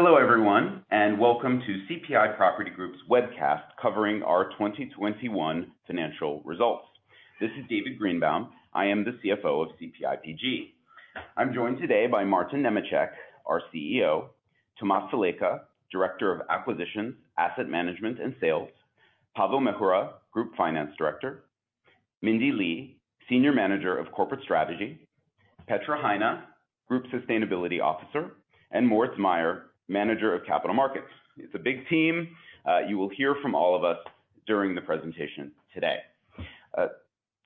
Hello everyone, and welcome to CPI Property Group's webcast covering our 2021 financial results. This is David Greenbaum. I am the CFO of CPIPG. I'm joined today by Martin Nemecek, our CEO. Tomáš Salajka, Director of Acquisitions, Asset Management and Sales. Pavel Mechura, Group Finance Director. Mindee Lee, Senior Manager of Corporate Strategy. Petra Hajna, Group Sustainability Officer, and Moritz Mayer, Manager of Capital Markets. It's a big team. You will hear from all of us during the presentation today.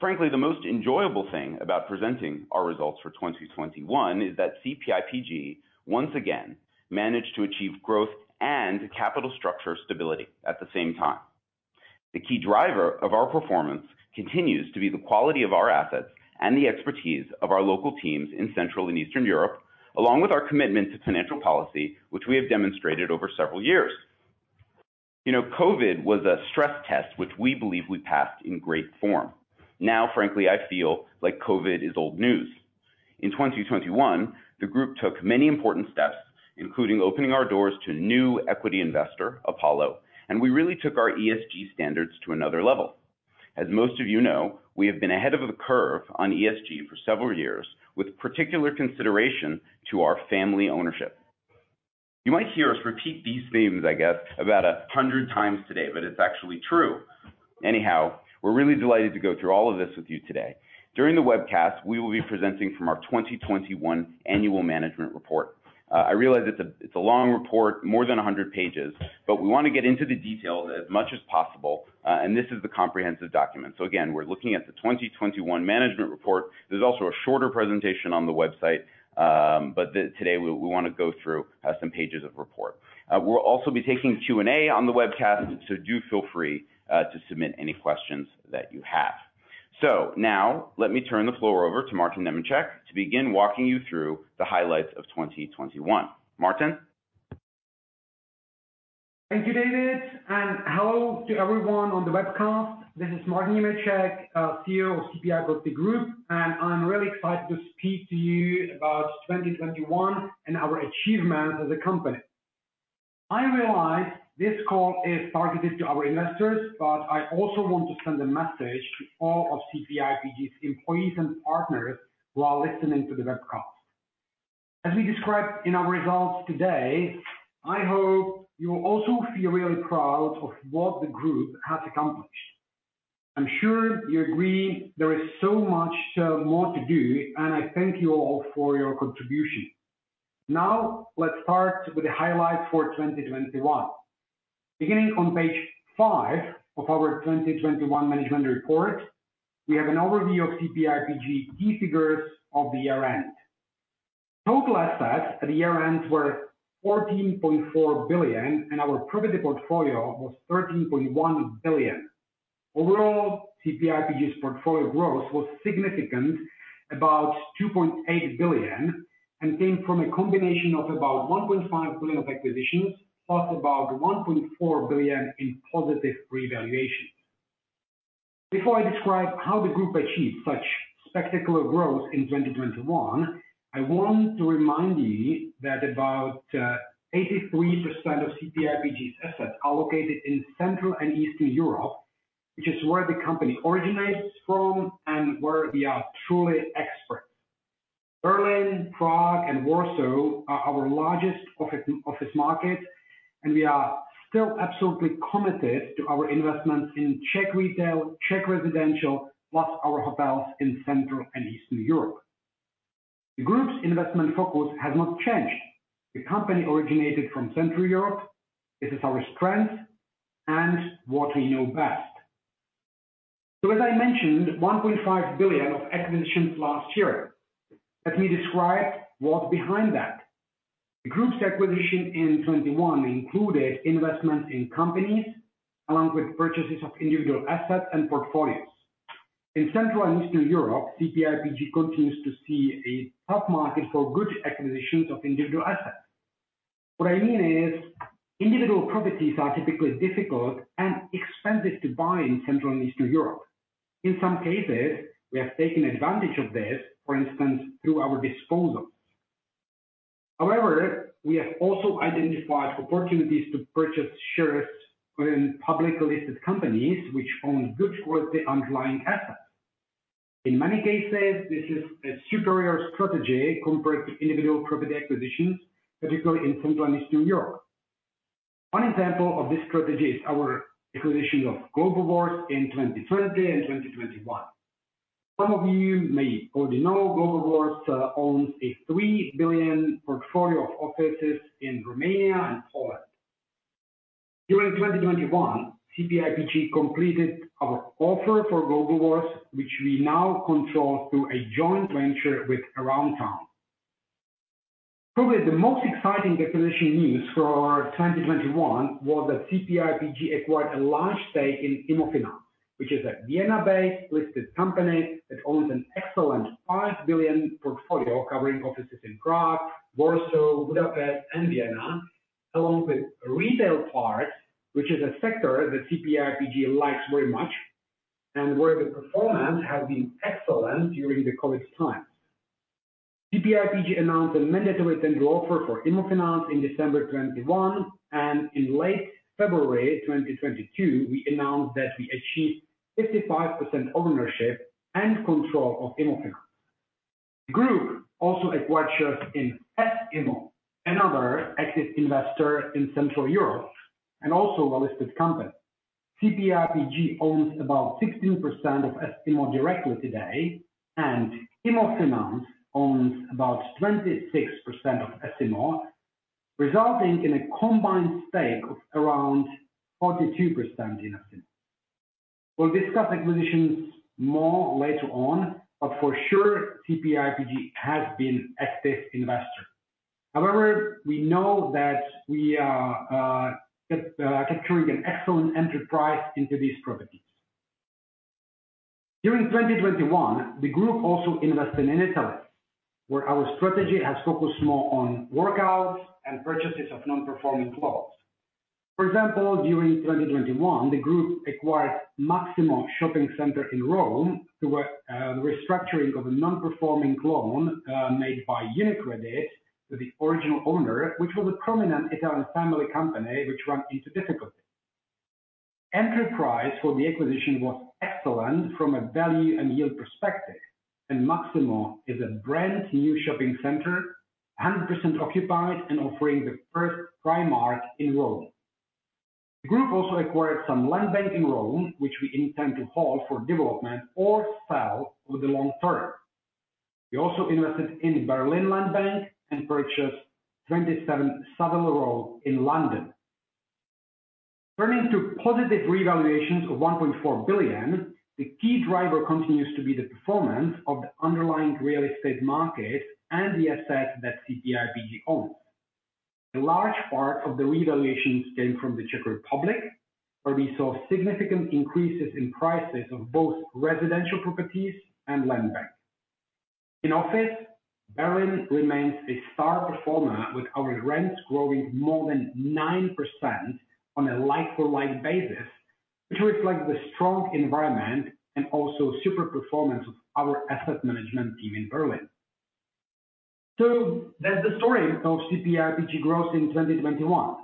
Frankly, the most enjoyable thing about presenting our results for 2021 is that CPIPG once again managed to achieve growth and capital structure stability at the same time. The key driver of our performance continues to be the quality of our assets and the expertise of our local teams in Central and Eastern Europe, along with our commitment to financial policy, which we have demonstrated over several years. You know, COVID was a stress test, which we believe we passed in great form. Now, frankly, I feel like COVID is old news. In 2021, the group took many important steps, including opening our doors to new equity investor, Apollo, and we really took our ESG standards to another level. As most of you know, we have been ahead of the curve on ESG for several years with particular consideration to our family ownership. You might hear us repeat these themes, I guess, about 100 times today, but it's actually true. Anyhow, we're really delighted to go through all of this with you today. During the webcast, we will be presenting from our 2021 annual management report. I realize it's a long report, more than 100 pages, but we wanna get into the details as much as possible. This is the comprehensive document. Again, we're looking at the 2021 management report. There's also a shorter presentation on the website, but today we wanna go through some pages of report. We'll also be taking Q&A on the webcast, so do feel free to submit any questions that you have. Now let me turn the floor over to Martin Nemecek to begin walking you through the highlights of 2021. Martin. Thank you, David, and hello to everyone on the webcast. This is Martin Nemecek, CEO of CPI Property Group, and I'm really excited to speak to you about 2021 and our achievements as a company. I realize this call is targeted to our investors, but I also want to send a message to all of CPIPG's employees and partners who are listening to the webcast. As we describe in our results today, I hope you'll also feel really proud of what the group has accomplished. I'm sure you agree there is so much more to do, and I thank you all for your contribution. Now let's start with the highlights for 2021. Beginning on page 5 of our 2021 management report, we have an overview of CPIPG key figures of the year-end. Total assets at the year-end were 14.4 billion, and our property portfolio was 13.1 billion. Overall, CPIPG's portfolio growth was significant, about 2.8 billion, and came from a combination of about 1.5 billion of acquisitions, plus about 1.4 billion in positive revaluation. Before I describe how the group achieved such spectacular growth in 2021, I want to remind you that about 83% of CPIPG's assets are located in Central and Eastern Europe, which is where the company originates from and where we are truly experts. Berlin, Prague, and Warsaw are our largest office market, and we are still absolutely committed to our investments in Czech retail, Czech residential, plus our hotels in Central and Eastern Europe. The group's investment focus has not changed. The company originated from Central Europe. This is our strength and what we know best. As I mentioned, 1.5 billion of acquisitions last year. Let me describe what's behind that. The group's acquisition in 2021 included investments in companies along with purchases of individual assets and portfolios. In Central and Eastern Europe, CPIPG continues to see a tough market for good acquisitions of individual assets. What I mean is individual properties are typically difficult and expensive to buy in Central and Eastern Europe. In some cases, we have taken advantage of this, for instance, through our disposals. However, we have also identified opportunities to purchase shares in public listed companies which own good quality underlying assets. In many cases, this is a superior strategy compared to individual property acquisitions, particularly in Central and Eastern Europe. One example of this strategy is our acquisition of Globalworth in 2020 and 2021. Some of you may already know Globalworth owns a 3 billion portfolio of offices in Romania and Poland. During 2021, CPIPG completed our offer for Globalworth, which we now control through a joint venture with Aroundtown. Probably the most exciting acquisition news for our 2021 was that CPIPG acquired a large stake in Immofinanz, which is a Vienna-based listed company that owns an excellent 5 billion portfolio covering offices in Prague, Warsaw, Budapest and Vienna, along with retail parks, which is a sector that CPIPG likes very much, where the performance has been excellent during the COVID time. CPIPG announced a mandatory tender offer for Immofinanz in December 2021, and in late February 2022, we announced that we achieved 55% ownership and control of Immofinanz. Group also acquired shares in S Immo, another active investor in Central Europe, and also a listed company. CPIPG owns about 16% of S Immo directly today, and Immofinanz owns about 26% of S Immo, resulting in a combined stake of around 42% in S Immo. We'll discuss acquisitions more later on, but for sure, CPIPG has been active investor. However, we know that we are capturing an excellent entry price into these properties. During 2021, the group also invested in Italy, where our strategy has focused more on workouts and purchases of non-performing loans. For example, during 2021, the group acquired Maximo Shopping Center in Rome through a restructuring of a non-performing loan made by UniCredit to the original owner, which was a prominent Italian family company which ran into difficulty. Entry price for the acquisition was excellent from a value and yield perspective. Maximo is a brand-new shopping center, 100% occupied and offering the first Primark in Rome. The group also acquired some land bank in Rome, which we intend to hold for development or sell through the long term. We also invested in Berlin Landbank and purchased 27 Savile Row in London. Turning to positive revaluations of 1.4 billion, the key driver continues to be the performance of the underlying real estate market and the assets that CPIPG owns. A large part of the revaluations came from the Czech Republic, where we saw significant increases in prices of both residential properties and land bank. In office, Berlin remains a star performer with our rents growing more than 9% on a like-for-like basis, which reflects the strong environment and also superior performance of our asset management team in Berlin. That's the story of CPIPG growth in 2021.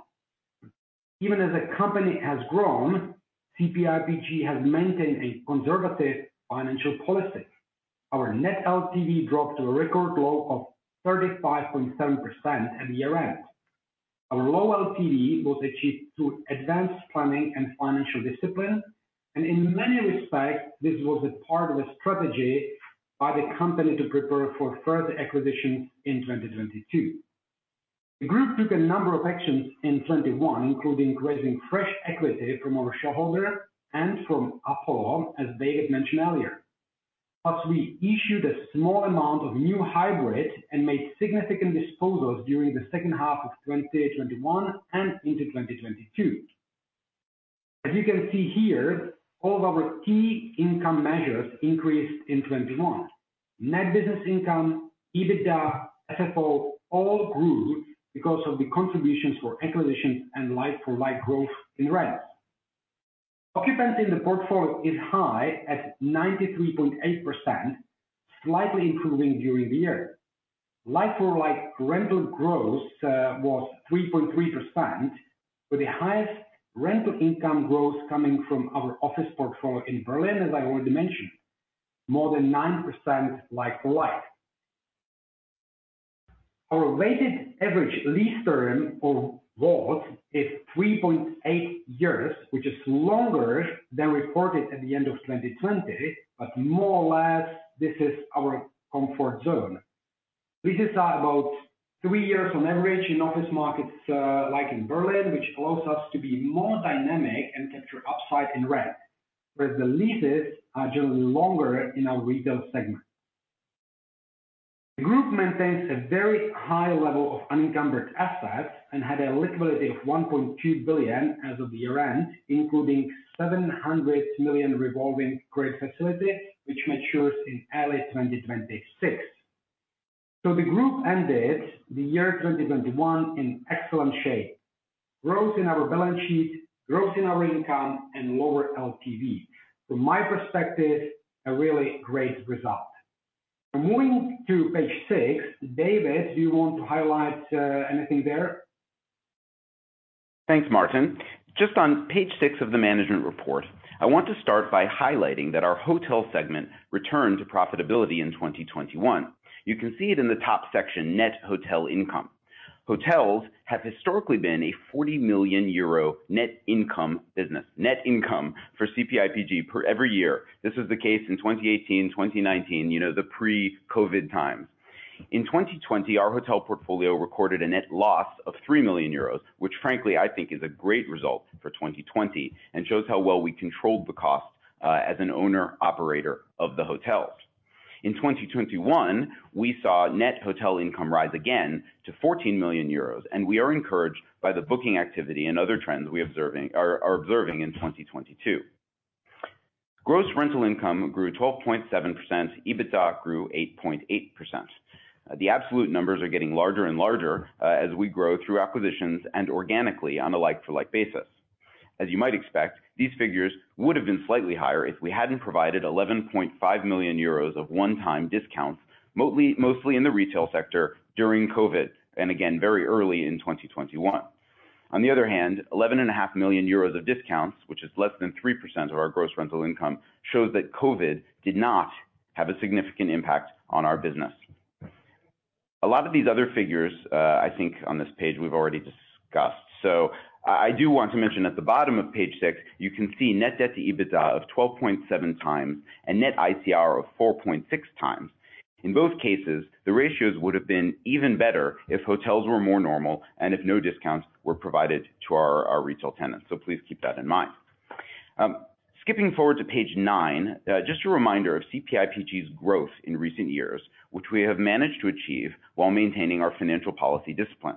Even as the company has grown, CPIPG has maintained a conservative financial policy. Our net LTV dropped to a record low of 35.7% at year-end. Our low LTV was achieved through advanced planning and financial discipline. In many respects, this was a part of a strategy by the company to prepare for further acquisitions in 2022. The group took a number of actions in 2021, including raising fresh equity from our shareholder and from Apollo, as David mentioned earlier. Plus, we issued a small amount of new hybrid and made significant disposals during the second half of 2021 and into 2022. As you can see here, all of our key income measures increased in 2021. Net business income, EBITDA, FFO all grew because of the contributions from acquisitions and like-for-like growth in rents. Occupancy in the portfolio is high at 93.8%, slightly improving during the year. Like-for-like rental growth was 3.3%, with the highest rental income growth coming from our office portfolio in Berlin, as I already mentioned. More than 9% like-for-like. Our weighted average lease term for WALT is 3.8 years, which is longer than reported at the end of 2020, but more or less this is our comfort zone. Leases are about 3 years on average in office markets, like in Berlin, which allows us to be more dynamic and capture upside in rent, whereas the leases are generally longer in our retail segment. The group maintains a very high level of unencumbered assets and had a liquidity of 1.2 billion as of year-end, including 700 million revolving credit facility, which matures in early 2026. The group ended the year 2021 in excellent shape. Growth in our balance sheet, growth in our income, and lower LTV. From my perspective, a really great result. Moving to page six. David, do you want to highlight anything there? Thanks, Martin. Just on page six of the management report, I want to start by highlighting that our hotel segment returned to profitability in 2021. You can see it in the top section, net hotel income. Hotels have historically been a 40 million euro net income business. Net income for CPIPG per every year. This is the case in 2018, 2019, you know, the pre-COVID times. In 2020, our hotel portfolio recorded a net loss of 3 million euros, which frankly I think is a great result for 2020 and shows how well we controlled the cost, as an owner/operator of the hotels. In 2021, we saw net hotel income rise again to 14 million euros, and we are encouraged by the booking activity and other trends we are observing in 2022. Gross rental income grew 12.7%. EBITDA grew 8.8%. The absolute numbers are getting larger and larger as we grow through acquisitions and organically on a like-for-like basis. As you might expect, these figures would have been slightly higher if we hadn't provided 11.5 million euros of one-time discounts, mostly in the retail sector during COVID, and again very early in 2021. On the other hand, 11.5 million euros of discounts, which is less than 3% of our gross rental income, shows that COVID did not have a significant impact on our business. A lot of these other figures, I think on this page we've already discussed. I do want to mention at the bottom of page 6, you can see net debt to EBITDA of 12.7 times and net ICR of 4.6 times. In both cases, the ratios would have been even better if hotels were more normal and if no discounts were provided to our retail tenants. Please keep that in mind. Skipping forward to page 9, just a reminder of CPIPG's growth in recent years, which we have managed to achieve while maintaining our financial policy discipline.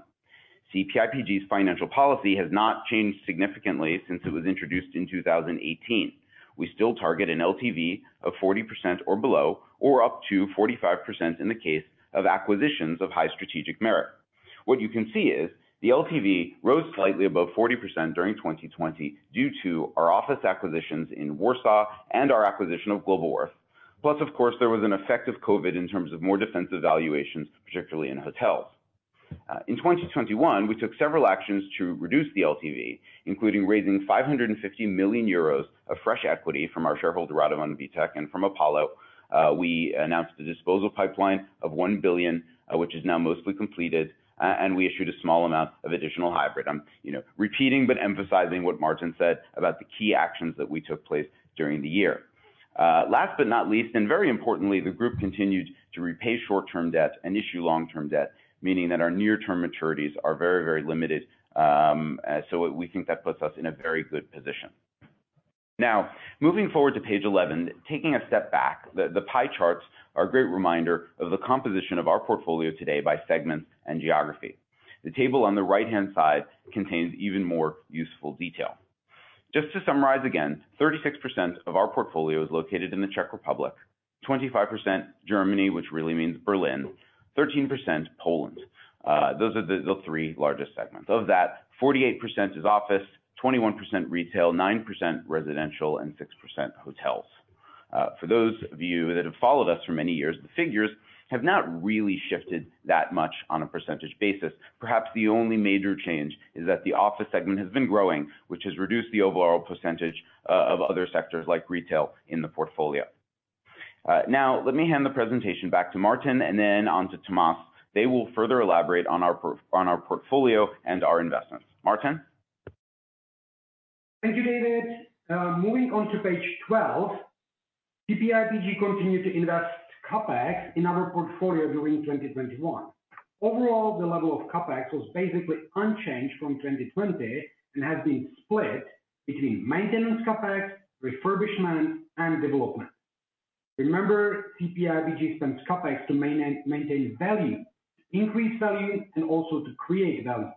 CPIPG's financial policy has not changed significantly since it was introduced in 2018. We still target an LTV of 40% or below, or up to 45% in the case of acquisitions of high strategic merit. What you can see is the LTV rose slightly above 40% during 2020 due to our office acquisitions in Warsaw and our acquisition of Globalworth. Plus, of course, there was an effect of COVID in terms of more defensive valuations, particularly in hotels. In 2021, we took several actions to reduce the LTV, including raising 550 million euros of fresh equity from our shareholder Radovan Vitek and from Apollo. We announced a disposal pipeline of 1 billion, which is now mostly completed, and we issued a small amount of additional hybrid. You know, repeating but emphasizing what Martin said about the key actions that we took place during the year. Last but not least, and very importantly, the group continued to repay short-term debt and issue long-term debt, meaning that our near-term maturities are very limited. We think that puts us in a very good position. Now, moving forward to page 11. Taking a step back, the pie charts are a great reminder of the composition of our portfolio today by segments and geography. The table on the right-hand side contains even more useful detail. Just to summarize again, 36% of our portfolio is located in the Czech Republic, 25% Germany, which really means Berlin, 13% Poland. Those are the three largest segments. Of that, 48% is office, 21% retail, 9% residential, and 6% hotels. For those of you that have followed us for many years, the figures have not really shifted that much on a percentage basis. Perhaps the only major change is that the office segment has been growing, which has reduced the overall percentage of other sectors like retail in the portfolio. Now let me hand the presentation back to Martin and then on to Tomáš. They will further elaborate on our portfolio and our investments. Martin. Thank you, David. Moving on to page 12. CPIPG continued to invest CapEx in our portfolio during 2021. Overall, the level of CapEx was basically unchanged from 2020 and has been split between maintenance CapEx, refurbishment, and development. Remember, CPIPG spends CapEx to maintain value, increase value, and also to create value.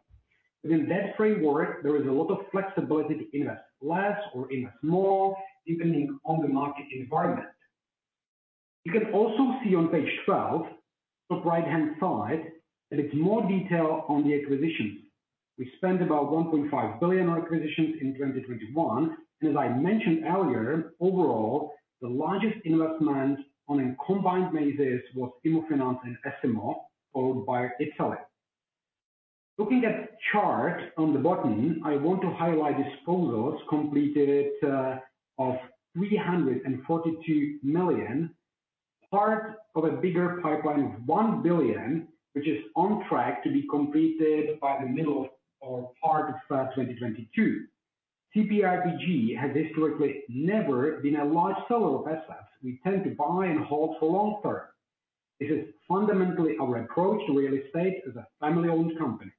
Within that framework, there is a lot of flexibility to invest less or invest more, depending on the market environment. You can also see on page 12, the right-hand side, that it's more detail on the acquisitions. We spent about 1.5 billion on acquisitions in 2021. As I mentioned earlier, overall, the largest investment on a combined basis was Immofinanz and S Immo, followed by Exall. Looking at the chart on the bottom, I want to highlight disposals completed of 342 million, part of a bigger pipeline of 1 billion, which is on track to be completed by the middle of or part of 2022. CPIPG has historically never been a large seller of assets. We tend to buy and hold for longer. This is fundamentally our approach to real estate as a family-owned company.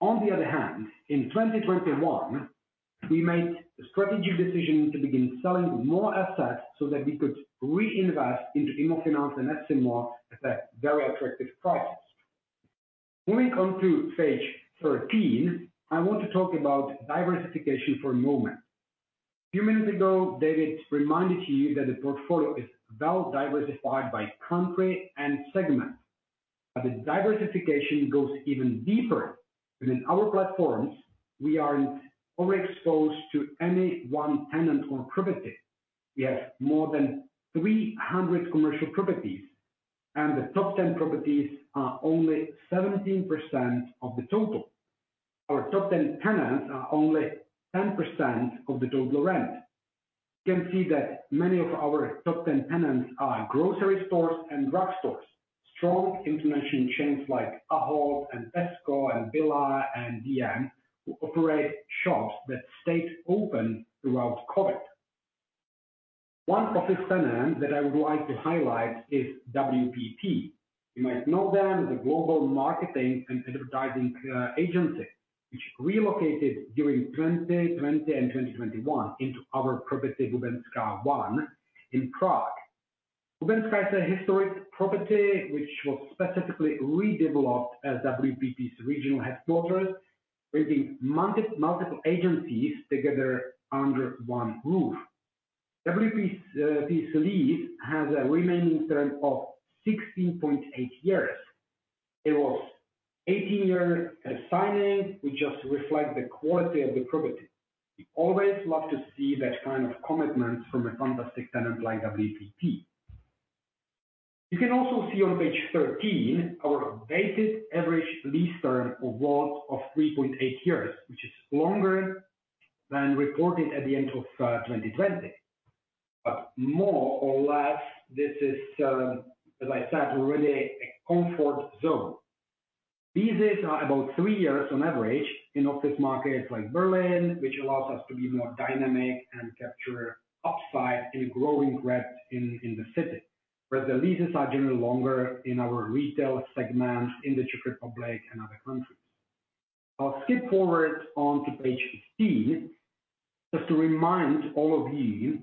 On the other hand, in 2021, we made a strategic decision to begin selling more assets so that we could reinvest into Immofinanz and S Immo at a very attractive price. Moving on to page 13, I want to talk about diversification for a moment. A few minutes ago, David reminded you that the portfolio is well diversified by country and segment. The diversification goes even deeper within our platforms. We aren't overexposed to any one tenant or property. We have more than 300 commercial properties, and the top 10 properties are only 17% of the total. Our top 10 tenants are only 10% of the total rent. You can see that many of our top 10 tenants are grocery stores and drugstores. Strong international chains like Ahold, and Tesco, and Billa, and dm, who operate shops that stayed open throughout COVID. One office tenant that I would like to highlight is WPP. You might know them, the global marketing and advertising, agency, which relocated during 2020 and 2021 into our property Bubenská 1 in Prague. Bubenská is a historic property which was specifically redeveloped as WPP's regional headquarters, bringing multiple agencies together under one roof. WPP's lease has a remaining term of 16.8 years. It was 18 years signing, which just reflect the quality of the property. We always love to see that kind of commitment from a fantastic tenant like WPP. You can also see on page 13 our weighted average lease term of what? Of 3.8 years, which is longer than reported at the end of 2020. More or less, this is, as I said, really a comfort zone. Leases are about three years on average in office markets like Berlin, which allows us to be more dynamic and capture upside in growing rent in the city. Where the leases are generally longer in our retail segment in the Czech Republic and other countries. I'll skip forward onto page 15, just to remind all of you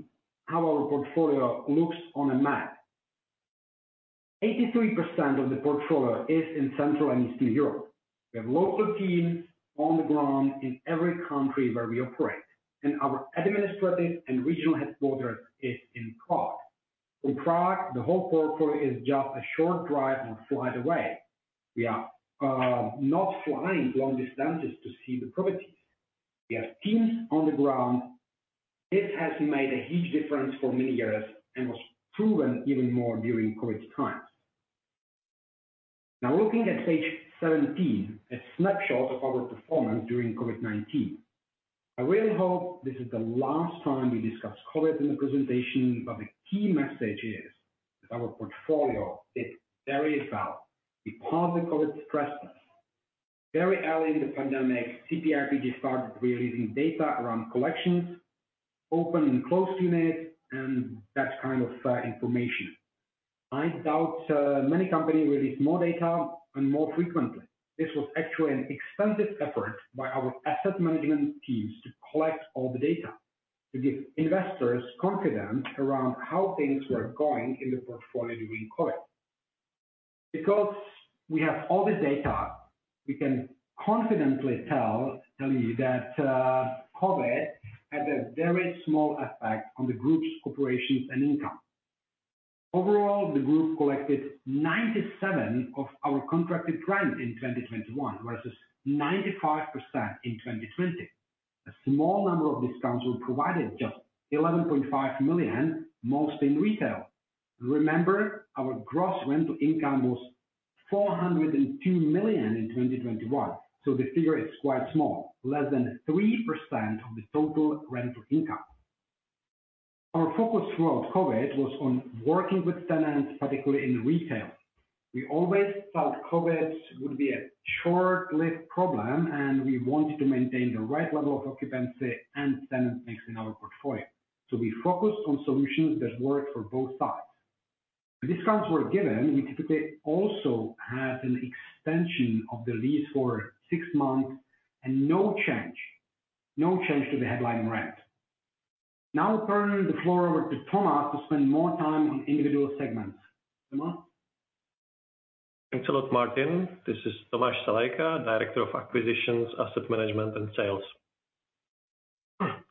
how our portfolio looks on a map. 83% of the portfolio is in Central and Eastern Europe. We have local teams on the ground in every country where we operate, and our administrative and regional headquarters is in Prague. From Prague, the whole portfolio is just a short drive or flight away. We are not flying long distances to see the properties. We have teams on the ground. This has made a huge difference for many years and was proven even more during COVID times. Now looking at page 17, a snapshot of our performance during COVID-19. I really hope this is the last time we discuss COVID in the presentation, but the key message is that our portfolio did very well despite COVID stresses. Very early in the pandemic, CPIPG started releasing data around collections, open and closed units, and that kind of information. I doubt many companies released more data more frequently. This was actually an extensive effort by our asset management teams to collect all the data to give investors confidence around how things were going in the portfolio during COVID. Because we have all the data, we can confidently tell you that COVID had a very small effect on the group's operations and income. Overall, the group collected 97% of our contracted rent in 2021 versus 95% in 2020. A small number of discounts were provided, just 11.5 million, most in retail. Remember, our gross rental income was 402 million in 2021, so the figure is quite small, less than 3% of the total rental income. Our focus throughout COVID was on working with tenants, particularly in retail. We always felt COVID would be a short-lived problem, and we wanted to maintain the right level of occupancy and tenant mix in our portfolio. We focused on solutions that work for both sides. The discounts were given. We typically also had an extension of the lease for six months and no change to the headline rent. Now I turn the floor over to Tomáš to spend more time on individual segments. Tomáš. Thanks a lot, Martin. This is Tomáš Salajka, Director of Acquisitions, Asset Management and Sales.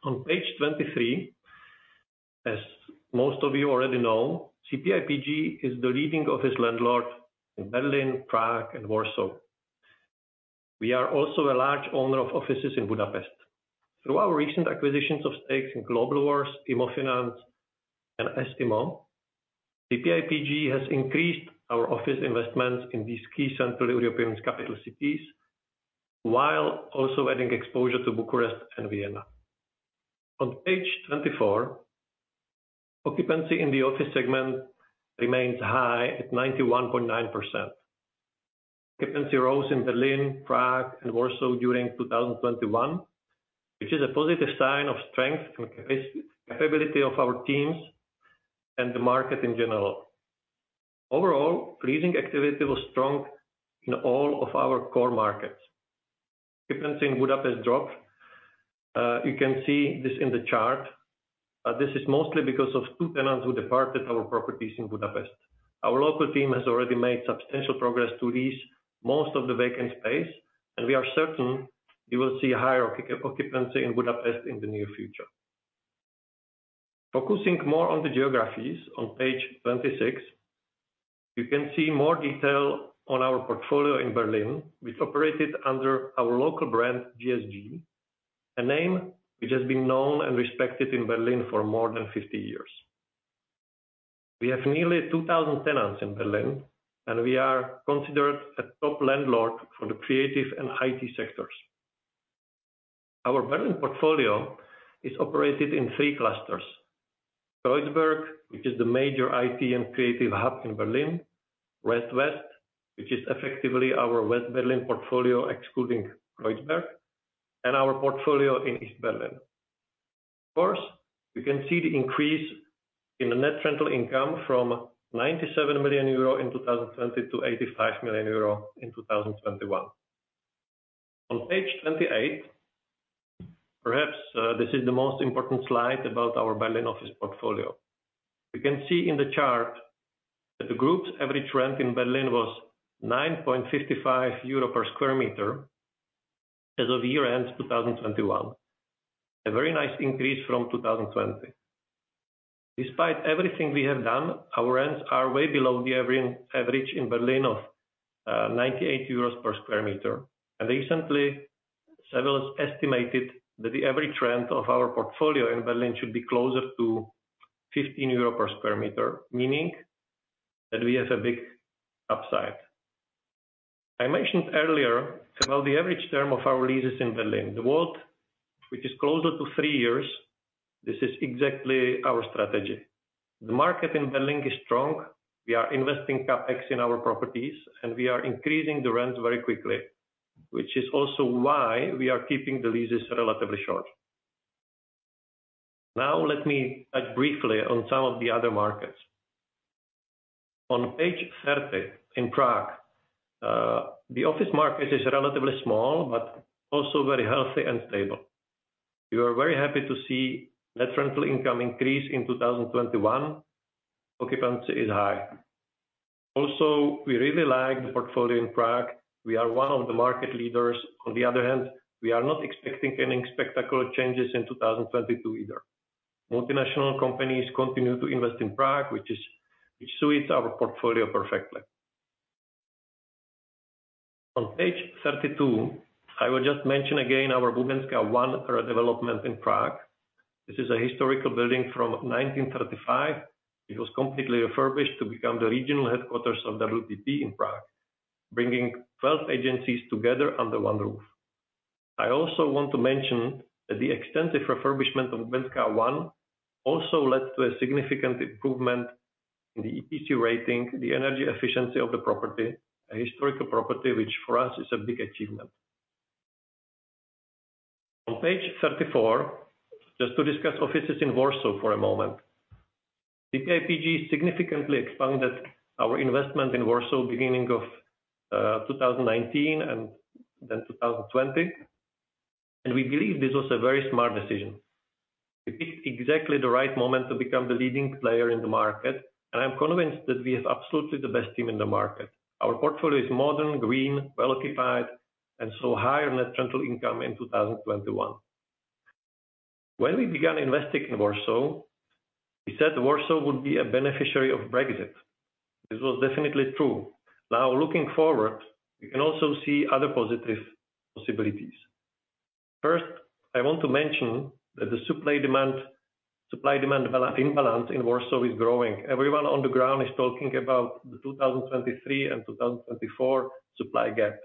On page 23, as most of you already know, CPIPG is the leading office landlord in Berlin, Prague and Warsaw. We are also a large owner of offices in Budapest. Through our recent acquisitions of stakes in Globalworth, Immofinanz and S Immo, CPIPG has increased our office investments in these key Central European capital cities, while also adding exposure to Bucharest and Vienna. On page 24, occupancy in the office segment remains high at 91.9%. Occupancy rose in Berlin, Prague and Warsaw during 2021, which is a positive sign of strength and capability of our teams and the market in general. Overall, leasing activity was strong in all of our core markets. Occupancy in Budapest dropped. You can see this in the chart. This is mostly because of two tenants who departed our properties in Budapest. Our local team has already made substantial progress to lease most of the vacant space, and we are certain you will see a higher occupancy in Budapest in the near future. Focusing more on the geographies on page 26, you can see more detail on our portfolio in Berlin, which operated under our local brand, GSG, a name which has been known and respected in Berlin for more than 50 years. We have nearly 2,000 tenants in Berlin, and we are considered a top landlord for the creative and IT sectors. Our Berlin portfolio is operated in three clusters: Kreuzberg, which is the major IT and creative hub in Berlin; Rest-West, which is effectively our West Berlin portfolio excluding Kreuzberg; and our portfolio in East Berlin. Of course, you can see the increase in the net rental income from 97 million euro in 2020 to 85 million euro in 2021. On page 28, perhaps, this is the most important slide about our Berlin office portfolio. You can see in the chart that the group's average rent in Berlin was 9.55 euro per sq m as of year-end 2021. A very nice increase from 2020. Despite everything we have done, our rents are way below the average in Berlin of 98 euros per sq m. Recently, Savills estimated that the average rent of our portfolio in Berlin should be closer to 15 euro per sq m, meaning that we have a big upside. I mentioned earlier about the average term of our leases in Berlin. The world, which is closer to 3 years, this is exactly our strategy. The market in Berlin is strong. We are investing CapEx in our properties, and we are increasing the rents very quickly, which is also why we are keeping the leases relatively short. Now let me add briefly on some of the other markets. On page 30, in Prague, the office market is relatively small but also very healthy and stable. We are very happy to see net rental income increase in 2021. Occupancy is high. Also, we really like the portfolio in Prague. We are one of the market leaders. On the other hand, we are not expecting any spectacular changes in 2022 either. Multinational companies continue to invest in Prague, which suits our portfolio perfectly. On page 32, I will just mention again our Bubenská 1 current development in Prague. This is a historical building from 1935. It was completely refurbished to become the regional headquarters of WPP in Prague, bringing 12 agencies together under one roof. I also want to mention that the extensive refurbishment of Bubenská 1 also led to a significant improvement in the BREEAM rating, the energy efficiency of the property, a historical property, which for us is a big achievement. On page 34, just to discuss offices in Warsaw for a moment. CPIPG significantly expanded our investment in Warsaw beginning of 2019 and then 2020, and we believe this was a very smart decision. We picked exactly the right moment to become the leading player in the market, and I am convinced that we have absolutely the best team in the market. Our portfolio is modern, green, well occupied, and saw higher net rental income in 2021. When we began investing in Warsaw, we said Warsaw would be a beneficiary of Brexit. This was definitely true. Now, looking forward, we can also see other positive possibilities. First, I want to mention that the supply-demand imbalance in Warsaw is growing. Everyone on the ground is talking about the 2023 and 2024 supply gap.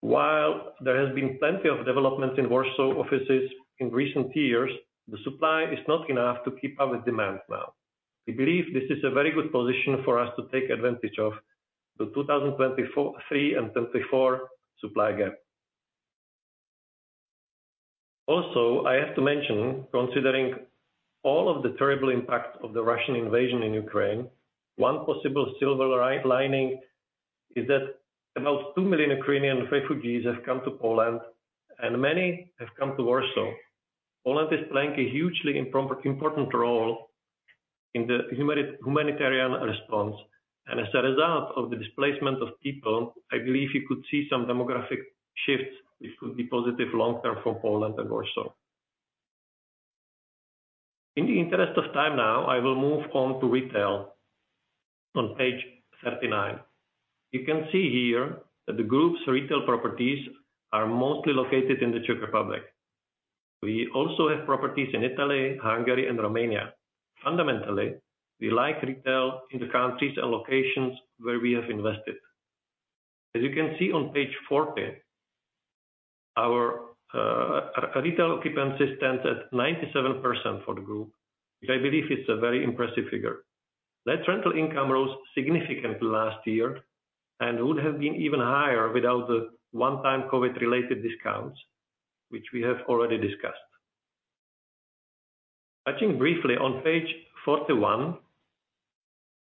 While there has been plenty of developments in Warsaw offices in recent years, the supply is not enough to keep up with demand now. We believe this is a very good position for us to take advantage of the 2023 and 2024 supply gap. I have to mention, considering all of the terrible impact of the Russian invasion in Ukraine, one possible silver lining is that about 2 million Ukrainian refugees have come to Poland, and many have come to Warsaw. Poland is playing a hugely important role in the humanitarian response, and as a result of the displacement of people, I believe you could see some demographic shifts which could be positive long term for Poland and Warsaw. In the interest of time now, I will move on to retail on page 39. You can see here that the group's retail properties are mostly located in the Czech Republic. We also have properties in Italy, Hungary and Romania. Fundamentally, we like retail in the countries and locations where we have invested. As you can see on page 40, our retail occupancy stands at 97% for the group, which I believe is a very impressive figure. Net rental income rose significantly last year and would have been even higher without the one-time COVID-related discounts, which we have already discussed. Touching briefly on page 41,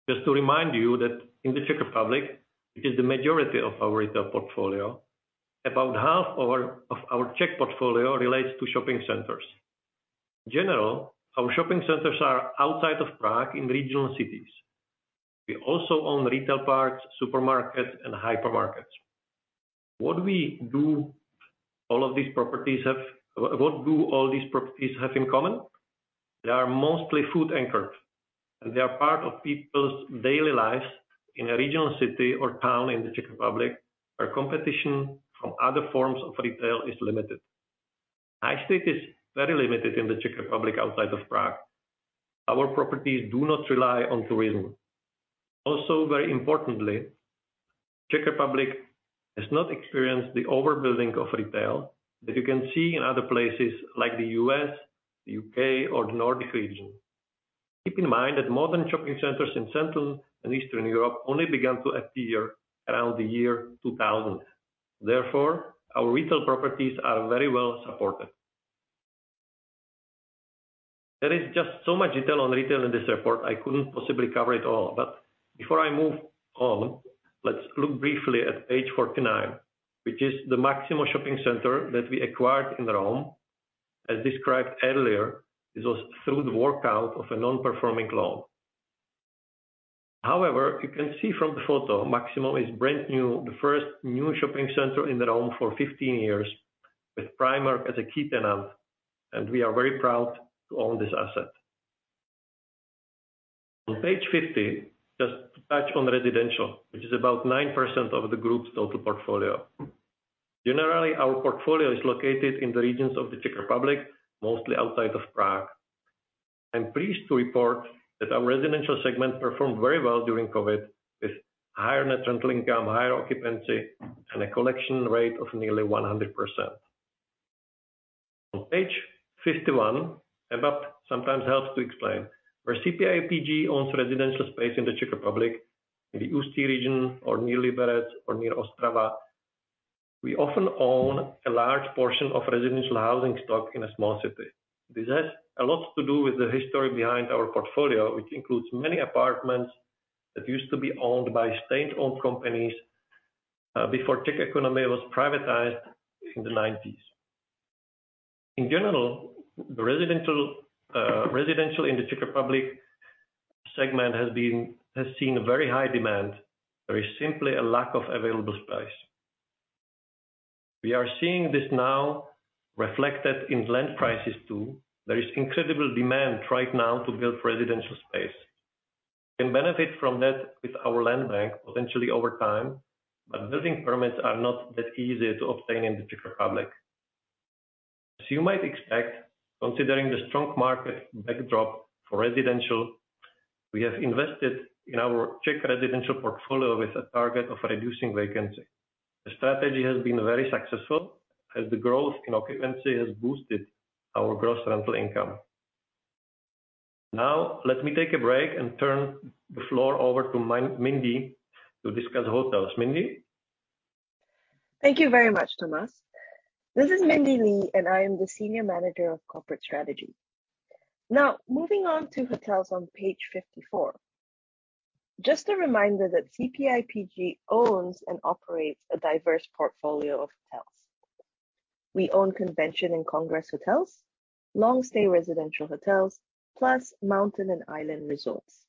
just to remind you that in the Czech Republic, which is the majority of our retail portfolio, about half our Czech portfolio relates to shopping centers. In general, our shopping centers are outside of Prague in regional cities. We also own retail parks, supermarkets and hypermarkets. What do all these properties have in common? They are mostly food anchored, and they are part of people's daily lives in a regional city or town in the Czech Republic, where competition from other forms of retail is limited. High street is very limited in the Czech Republic outside of Prague. Our properties do not rely on tourism. Also, very importantly, Czech Republic has not experienced the overbuilding of retail that you can see in other places like the U.S., the U.K. or the Nordic region. Keep in mind that modern shopping centers in Central and Eastern Europe only began to appear around the year 2000. Therefore, our retail properties are very well supported. There is just so much detail on retail in this report, I couldn't possibly cover it all. Before I move on, let's look briefly at page 49, which is the Maximo Shopping Center that we acquired in Rome. As described earlier, this was through the workout of a non-performing loan. However, you can see from the photo, Maximo is brand new, the first new shopping center in Rome for 15 years, with Primark as a key tenant, and we are very proud to own this asset. On page 50, just to touch on residential, which is about 9% of the group's total portfolio. Generally, our portfolio is located in the regions of the Czech Republic, mostly outside of Prague. I'm pleased to report that our residential segment performed very well during COVID, with higher net rental income, higher occupancy, and a collection rate of nearly 100%. On page 51, a map sometimes helps to explain. Where CPIPG owns residential space in the Czech Republic, in the Ústí region or near Liberec or near Ostrava, we often own a large portion of residential housing stock in a small city. This has a lot to do with the history behind our portfolio, which includes many apartments that used to be owned by state-owned companies before Czech economy was privatized in the nineties. In general, the residential in the Czech Republic segment has seen very high demand. There is simply a lack of available space. We are seeing this now reflected in land prices too. There is incredible demand right now to build residential space. We can benefit from that with our land bank potentially over time, but building permits are not that easy to obtain in the Czech Republic. As you might expect, considering the strong market backdrop for residential, we have invested in our Czech residential portfolio with a target of reducing vacancy. The strategy has been very successful as the growth in occupancy has boosted our gross rental income. Now, let me take a break and turn the floor over to Mindee to discuss hotels. Mindee? Thank you very much, Tomáš. This is Mindee Lee, and I am the Senior Manager of Corporate Strategy. Now, moving on to hotels on page 54. Just a reminder that CPIPG owns and operates a diverse portfolio of hotels. We own convention and congress hotels, long stay residential hotels, plus mountain and island resorts.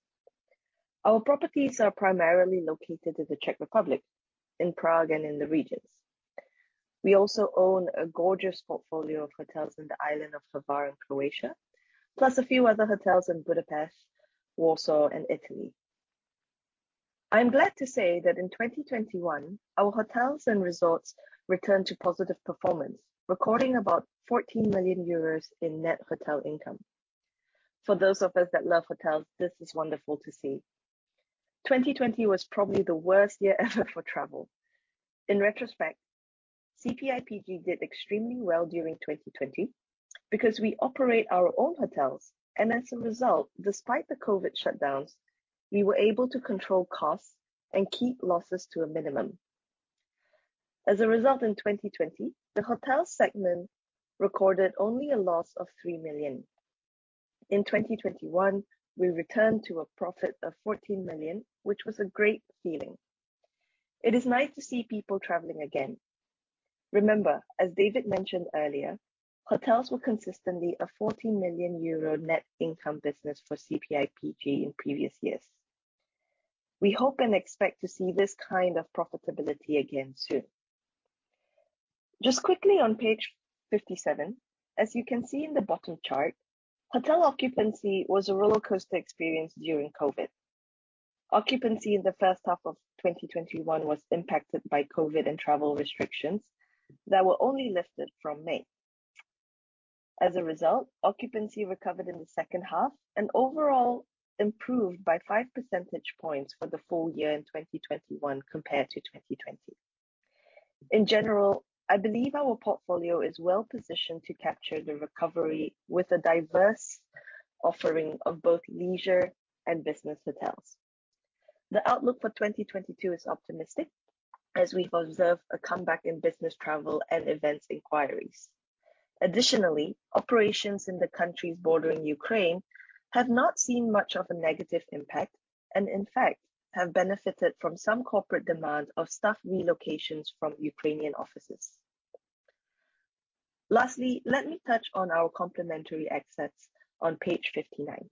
Our properties are primarily located in the Czech Republic, in Prague and in the regions. We also own a gorgeous portfolio of hotels in the island of Hvar in Croatia, plus a few other hotels in Budapest, Warsaw and Italy. I am glad to say that in 2021, our hotels and resorts returned to positive performance, recording about 14 million euros in net hotel income. For those of us that love hotels, this is wonderful to see. 2020 was probably the worst year ever for travel. In retrospect, CPIPG did extremely well during 2020 because we operate our own hotels. As a result, despite the COVID shutdowns, we were able to control costs and keep losses to a minimum. As a result, in 2020, the hotel segment recorded only a loss of 3 million. In 2021, we returned to a profit of 14 million, which was a great feeling. It is nice to see people traveling again. Remember, as David mentioned earlier, hotels were consistently a 40 million euro net income business for CPIPG in previous years. We hope and expect to see this kind of profitability again soon. Just quickly on page 57, as you can see in the bottom chart, hotel occupancy was a rollercoaster experience during COVID. Occupancy in the first half of 2021 was impacted by COVID and travel restrictions that were only lifted from May. As a result, occupancy recovered in the second half and overall improved by 5 percentage points for the full year in 2021 compared to 2020. In general, I believe our portfolio is well positioned to capture the recovery with a diverse offering of both leisure and business hotels. The outlook for 2022 is optimistic as we've observed a comeback in business travel and events inquiries. Additionally, operations in the countries bordering Ukraine have not seen much of a negative impact and in fact have benefited from some corporate demand of staff relocations from Ukrainian offices. Lastly, let me touch on our complementary assets on page 59.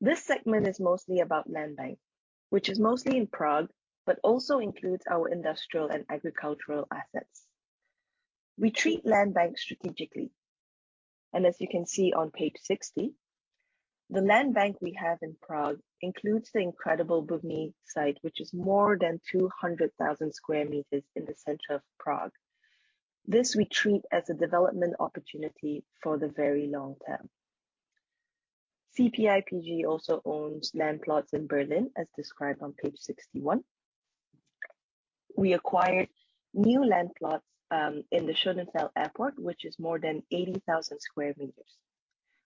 This segment is mostly about land bank, which is mostly in Prague, but also includes our industrial and agricultural assets. We treat land bank strategically. As you can see on page 60, the land bank we have in Prague includes the incredible Bubny site, which is more than 200,000 sq m in the center of Prague. This we treat as a development opportunity for the very long term. CPIPG also owns land plots in Berlin, as described on page 61. We acquired new land plots in the Schönefeld Airport, which is more than 80,000 sq m.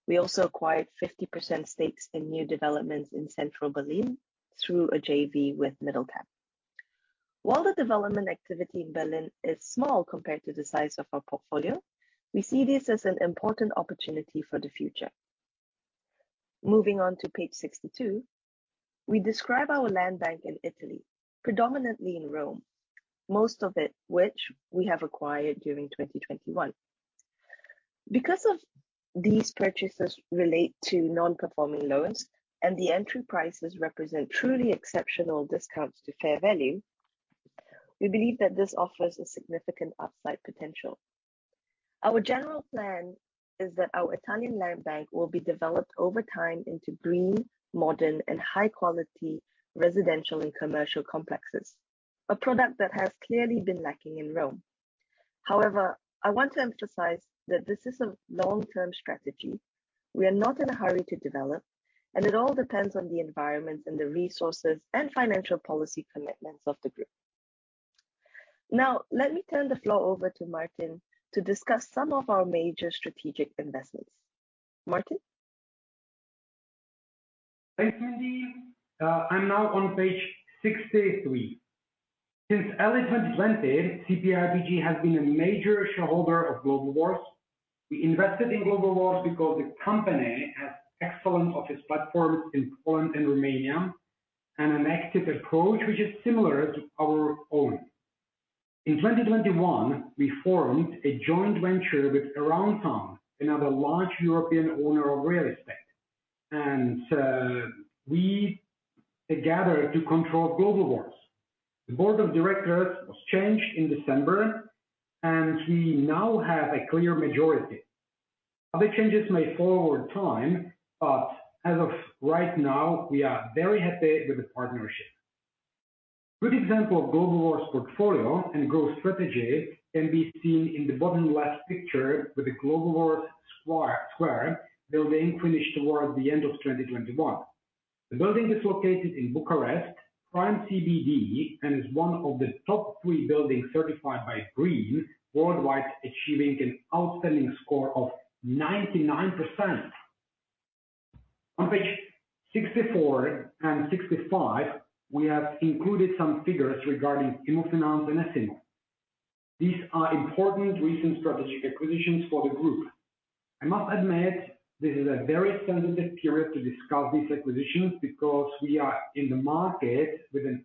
We also acquired 50% stakes in new developments in central Berlin through a JV with Mittelpunkt. While the development activity in Berlin is small compared to the size of our portfolio, we see this as an important opportunity for the future. Moving on to page 62, we describe our land bank in Italy, predominantly in Rome, most of it which we have acquired during 2021. Because of these purchases relate to non-performing loans and the entry prices represent truly exceptional discounts to fair value, we believe that this offers a significant upside potential. Our general plan is that our Italian land bank will be developed over time into green, modern, and high-quality residential and commercial complexes, a product that has clearly been lacking in Rome. However, I want to emphasize that this is a long-term strategy. We are not in a hurry to develop, and it all depends on the environment and the resources and financial policy commitments of the group. Now, let me turn the floor over to Martin to discuss some of our major strategic investments. Martin. Thanks, Mindee. I'm now on page 63. Since early 2020, CPIPG has been a major shareholder of Globalworth. We invested in Globalworth because the company has excellent office platforms in Poland and Romania, and an active approach which is similar to our own. In 2021, we formed a joint venture with Aroundtown, another large European owner of real estate. We together control Globalworth. The board of directors was changed in December, and we now have a clear majority. Other changes may follow over time, but as of right now, we are very happy with the partnership. Good example of Globalworth portfolio and growth strategy can be seen in the bottom left picture with the Globalworth Square building finished towards the end of 2021. The building is located in Bucharest, prime CBD, and is one of the top three buildings certified by green worldwide, achieving an outstanding score of 99%. On page 64 and 65, we have included some figures regarding Immofinanz and S Immo. These are important recent strategic acquisitions for the group. I must admit this is a very sensitive period to discuss these acquisitions because we are in the market with a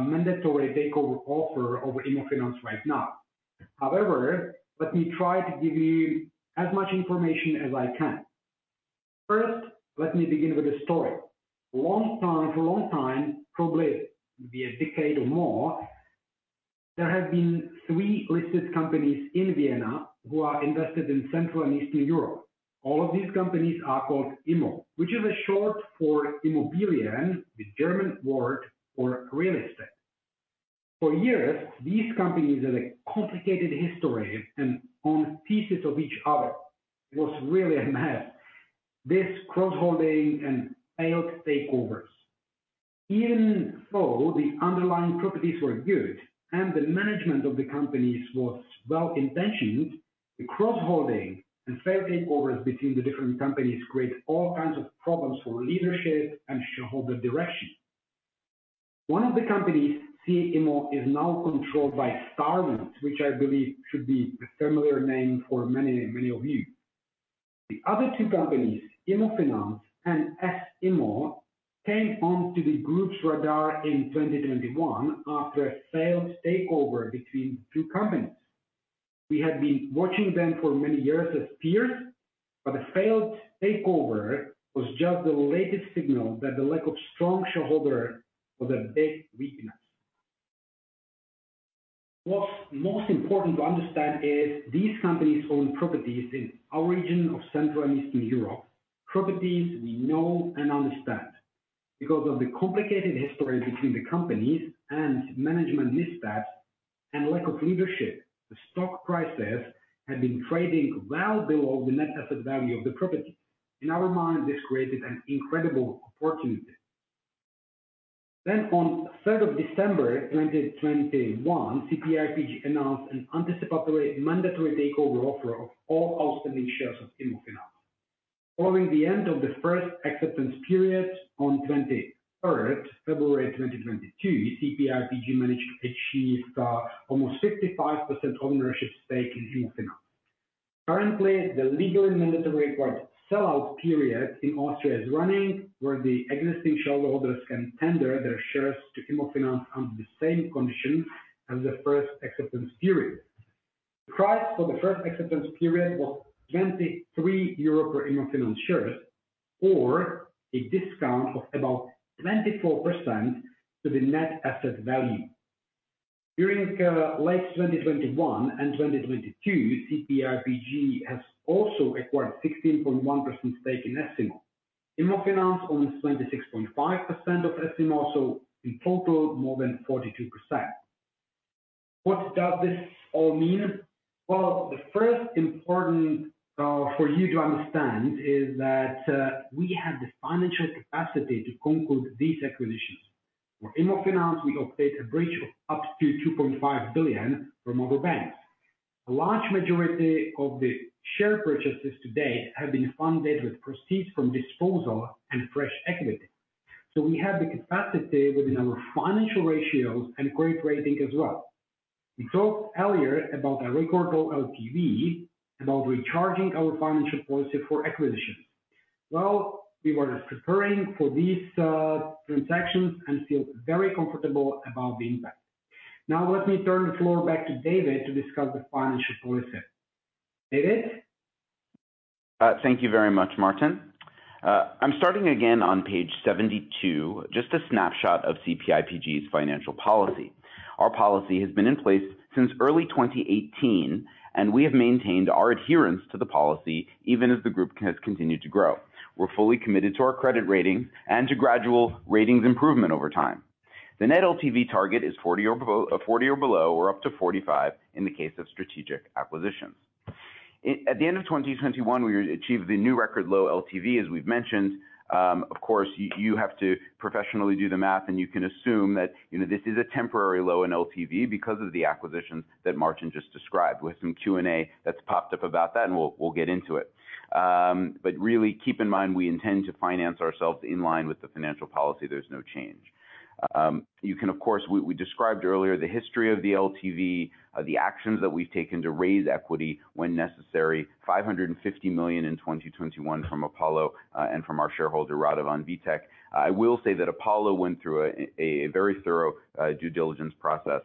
mandatory takeover offer over Immofinanz right now. However, let me try to give you as much information as I can. First, let me begin with a story. For a long time, probably for a decade or more, there have been three listed companies in Vienna who are invested in Central and Eastern Europe. All of these companies are called Immo, which is a short for Immobilien, the German word for real estate. For years, these companies had a complicated history and owned pieces of each other. It was really a mess. This cross-holding and failed takeovers. Even though the underlying properties were good and the management of the companies was well-intentioned, the cross-holding and failed takeovers between the different companies create all kinds of problems for leadership and shareholder direction. One of the companies, CA Immo, is now controlled by Starwood, which I believe should be a familiar name for many of you. The other two companies, Immofinanz and S Immo, came onto the group's radar in 2021 after a failed takeover between the two companies. We had been watching them for many years as peers, but the failed takeover was just the latest signal that the lack of strong shareholder was a big weakness. What's most important to understand is these companies own properties in our region of Central and Eastern Europe. Properties we know and understand. Because of the complicated history between the companies and management mishaps and lack of leadership, the stock prices had been trading well below the net asset value of the property. In our minds, this created an incredible opportunity. On 3 December 2021, CPIPG announced an anticipatory mandatory takeover offer of all outstanding shares of Immofinanz. Following the end of the first acceptance period on 23 February 2022, CPIPG managed to achieve almost 55% ownership stake in Immofinanz. Currently, the legally mandatory required sell-out period in Austria is running, where the existing shareholders can tender their shares to Immofinanz under the same conditions as the first acceptance period. The price for the first acceptance period was 23 euro per Immofinanz shares, or a discount of about 24% to the net asset value. During late 2021 and 2022, CPIPG has also acquired 16.1% stake in S Immo. Immofinanz owns 26.5% of S Immo, so in total, more than 42%. What does this all mean? Well, the first important for you to understand is that we have the financial capacity to conclude these acquisitions. For Immofinanz, we obtained a bridge of up to 2.5 billion from other banks. A large majority of the share purchases to date have been funded with proceeds from disposal and fresh equity. We have the capacity within our financial ratios and credit rating as well. We talked earlier about a record low LTV, about recharging our financial policy for acquisitions. Well, we were preparing for these transactions and feel very comfortable about the impact. Now let me turn the floor back to David to discuss the financial policy. David. Thank you very much, Martin. I'm starting again on page 72, just a snapshot of CPIPG's financial policy. Our policy has been in place since early 2018, and we have maintained our adherence to the policy even as the group has continued to grow. We're fully committed to our credit rating and to gradual ratings improvement over time. The net LTV target is 40% or below or up to 45% in the case of strategic acquisitions. At the end of 2021, we achieved the new record low LTV, as we've mentioned. Of course, you have to professionally do the math, and you can assume that, you know, this is a temporary low in LTV because of the acquisitions that Martin just described with some Q&A that's popped up about that, and we'll get into it. Really keep in mind we intend to finance ourselves in line with the financial policy. There's no change. We described earlier the history of the LTV, the actions that we've taken to raise equity when necessary, 550 million in 2021 from Apollo and from our shareholder, Radovan Vitek. I will say that Apollo went through a very thorough due diligence process.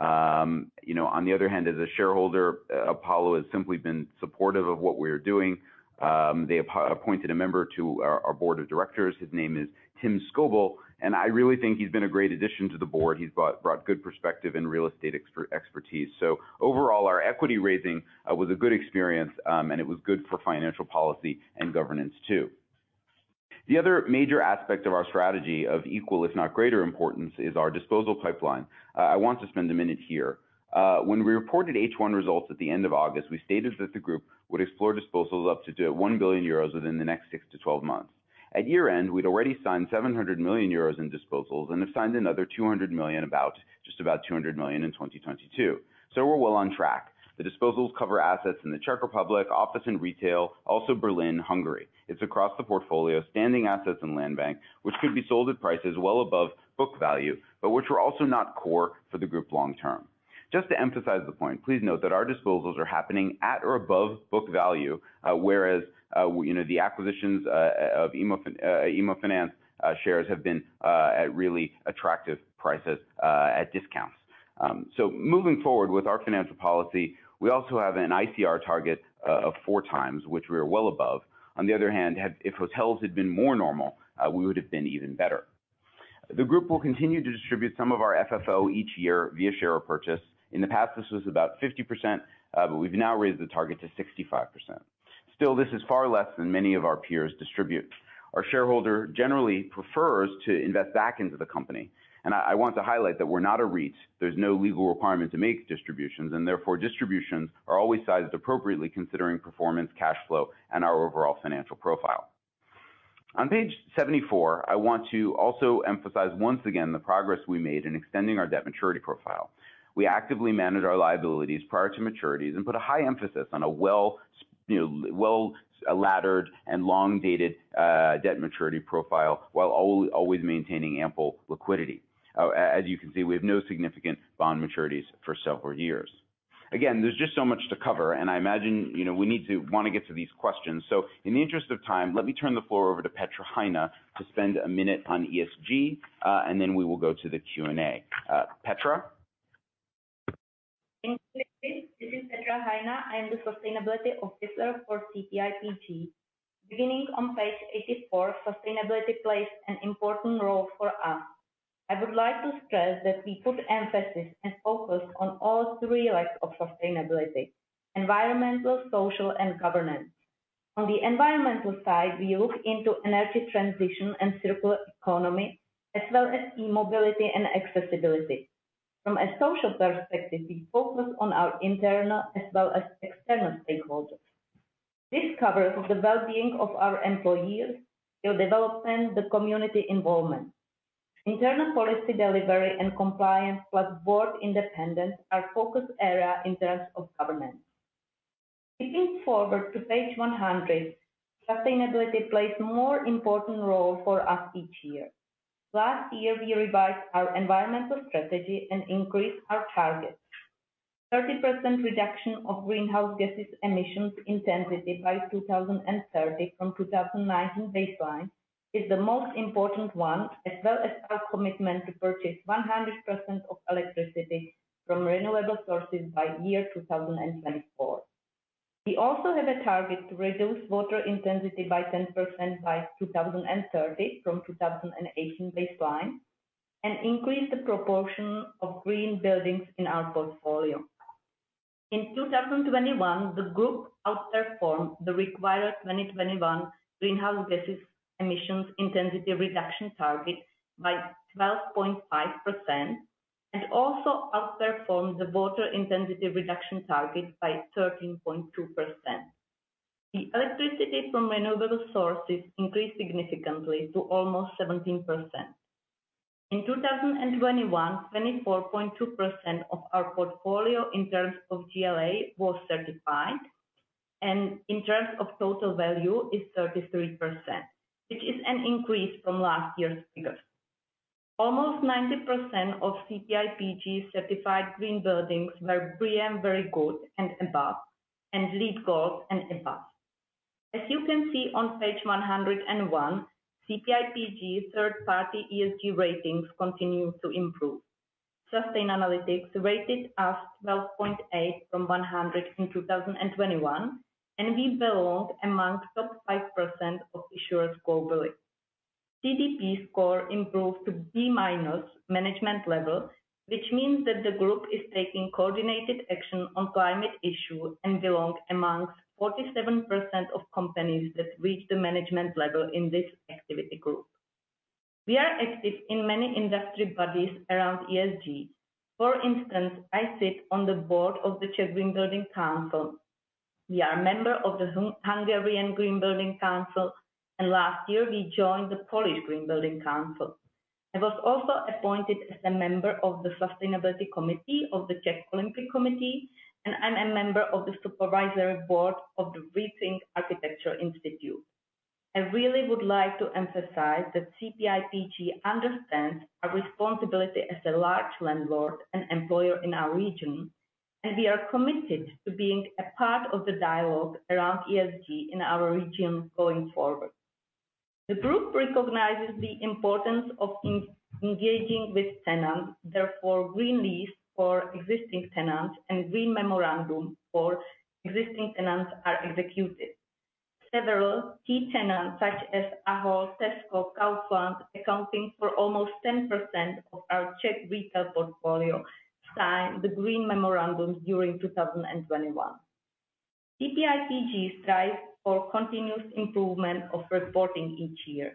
You know, on the other hand, as a shareholder, Apollo has simply been supportive of what we're doing. They appointed a member to our board of directors. His name is Tim Scoble, and I really think he's been a great addition to the board. He's brought good perspective and real estate expertise. Overall, our equity raising was a good experience, and it was good for financial policy and governance too. The other major aspect of our strategy of equal, if not greater importance, is our disposal pipeline. I want to spend a minute here. When we reported H1 results at the end of August, we stated that the group would explore disposals up to 1 billion euros within the next 6 to 12 months. At year-end, we'd already signed 700 million euros in disposals and have signed another 200 million, just about 200 million in 2022. We're well on track. The disposals cover assets in the Czech Republic, office and retail, also Berlin, Hungary. It's across the portfolio, standing assets and land bank, which could be sold at prices well above book value, but which were also not core for the group long term. Just to emphasize the point, please note that our disposals are happening at or above book value, whereas, you know, the acquisitions of Immofinanz shares have been at really attractive prices at discounts. Moving forward with our financial policy, we also have an ICR target of 4 times, which we are well above. On the other hand, if hotels had been more normal, we would have been even better. The group will continue to distribute some of our FFO each year via share purchase. In the past, this was about 50%, but we've now raised the target to 65%. Still, this is far less than many of our peers distribute. Our shareholder generally prefers to invest back into the company. I want to highlight that we're not a REIT. There's no legal requirement to make distributions, and therefore distributions are always sized appropriately considering performance, cash flow, and our overall financial profile. On page 74, I want to also emphasize once again the progress we made in extending our debt maturity profile. We actively managed our liabilities prior to maturities and put a high emphasis on a you know well-laddered and long-dated debt maturity profile, while always maintaining ample liquidity. As you can see, we have no significant bond maturities for several years. Again, there's just so much to cover, and I imagine, you know, we need to want to get to these questions. In the interest of time, let me turn the floor over to Petra Hajna to spend a minute on ESG, and then we will go to the Q&A. Petra. Thank you, David. This is Petra Hajna. I am the sustainability officer for CPIPG. Beginning on page 84, sustainability plays an important role for us. I would like to stress that we put emphasis and focus on all three legs of sustainability: environmental, social, and governance. On the environmental side, we look into energy transition and circular economy, as well as e-mobility and accessibility. From a social perspective, we focus on our internal as well as external stakeholders. This covers the well-being of our employees, their development, the community involvement. Internal policy delivery and compliance, plus board independence, are focus area in terms of governance. Skipping forward to page 100, sustainability plays more important role for us each year. Last year, we revised our environmental strategy and increased our targets. 30% reduction of greenhouse gas emissions intensity by 2030 from 2019 baseline is the most important one, as well as our commitment to purchase 100% of electricity from renewable sources by year 2024. We also have a target to reduce water intensity by 10% by 2030 from 2018 baseline and increase the proportion of green buildings in our portfolio. In 2021, the group outperformed the required 2021 greenhouse gas emissions intensity reduction target by 12.5% and also outperformed the water intensity reduction target by 13.2%. The electricity from renewable sources increased significantly to almost 17%. In 2021, 24.2% of our portfolio in terms of GLA was certified, and in terms of total value is 33%, which is an increase from last year's figures. Almost 90% of CPIPG's certified green buildings were BREEAM Very Good and above, and LEED Gold and above. As you can see on page 101, CPIPG third party ESG ratings continue to improve. Sustainalytics rated us 12.8 out of 100 in 2021, and we belonged amongst top 5% of issuers globally. CDP score improved to B-minus management level, which means that the group is taking coordinated action on climate issue and belong amongst 47% of companies that reach the management level in this activity group. We are active in many industry bodies around ESG. For instance, I sit on the board of the Czech Green Building Council. We are a member of the Hungary Green Building Council, and last year we joined the Polish Green Building Council. I was also appointed as a member of the Sustainability Committee of the Czech Olympic Committee, and I'm a member of the Supervisory Board of the Rethink Architecture Institute. I really would like to emphasize that CPIPG understands our responsibility as a large landlord and employer in our region, and we are committed to being a part of the dialogue around ESG in our region going forward. The group recognizes the importance of engaging with tenants. Therefore, green lease for existing tenants and green memorandum for existing tenants are executed. Several key tenants such as Ahold, Tesco, Kaufland, accounting for almost 10% of our Czech retail portfolio, signed the green memorandum during 2021. CPIPG strives for continuous improvement of reporting each year.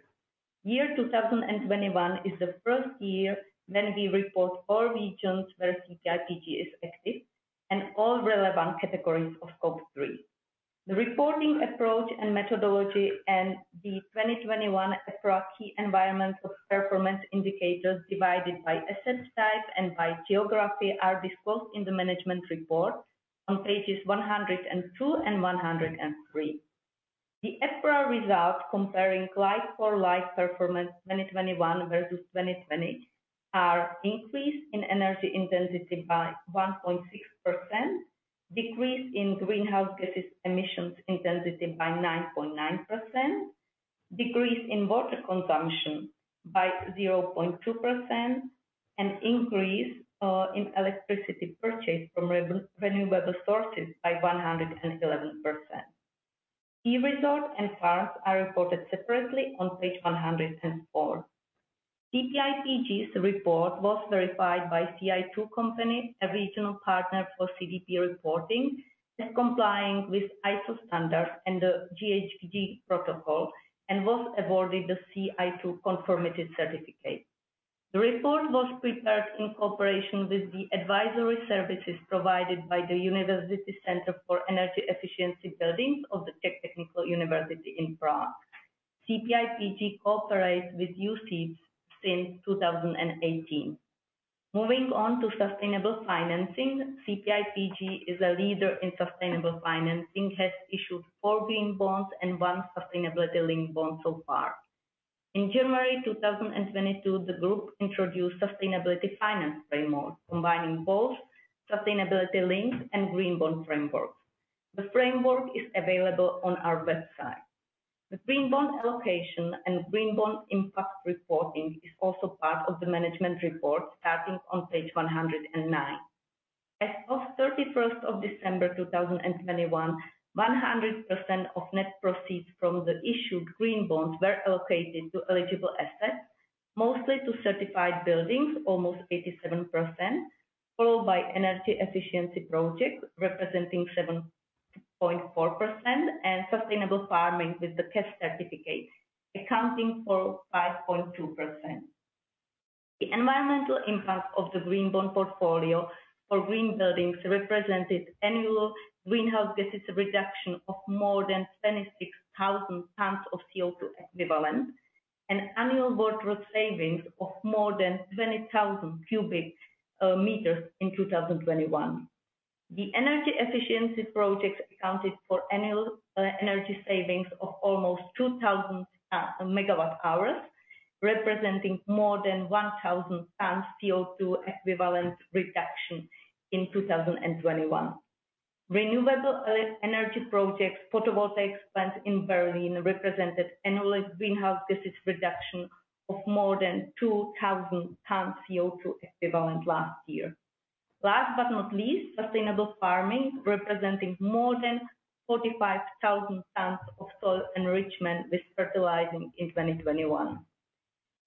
2021 is the first year when we report four regions where CPIPG is active and all relevant categories of Scope 3. The reporting approach and methodology and the 2021 ESRA key environmental performance indicators divided by asset type and by geography are disclosed in the management report on pages 102 and 103. The ESRA result comparing like for like performance 2021 versus 2020 are increase in energy intensity by 1.6%, decrease in greenhouse gas emissions intensity by 9.9%, decrease in water consumption by 0.2%, and increase in electricity purchased from renewable sources by 111%. Key results and charts are reported separately on page 104. CPIPG's report was verified by CI2 company, a regional partner for CDP reporting, as complying with ISO standards and the GHG Protocol, and was awarded the CI2 confirmatory certificate. The report was prepared in cooperation with the advisory services provided by the University Centre for Energy Efficient Buildings of the Czech Technical University in Prague. CPIPG cooperates with UCEEB since 2018. Moving on to sustainable financing. CPIPG is a leader in sustainable financing, has issued 4 green bonds and one sustainability linked bond so far. In January 2022, the group introduced sustainability finance framework, combining both sustainability linked and green bond framework. The framework is available on our website. The green bond allocation and green bond impact reporting is also part of the management report starting on page 109. As of December 31, 2021, 100% of net proceeds from the issued green bonds were allocated to eligible assets, mostly to certified buildings, almost 87%, followed by energy efficiency projects representing 7.4%, and sustainable farming with the PEFC certificate accounting for 5.2%. The environmental impact of the green bond portfolio for green buildings represented annual greenhouse gas reduction of more than 26,000 tons of CO₂ equivalent and annual water savings of more than 20,000 cubic meters in 2021. The energy efficiency projects accounted for annual energy savings of almost 2,000 MWh, representing more than 1,000 tons CO₂ equivalent reduction in 2021. Renewable energy projects photovoltaic plant in Berlin represented annual greenhouse gas reduction of more than 2,000 tons CO₂ equivalent last year. Last but not least, sustainable farming representing more than 45,000 tons of soil enrichment with fertilizing in 2021.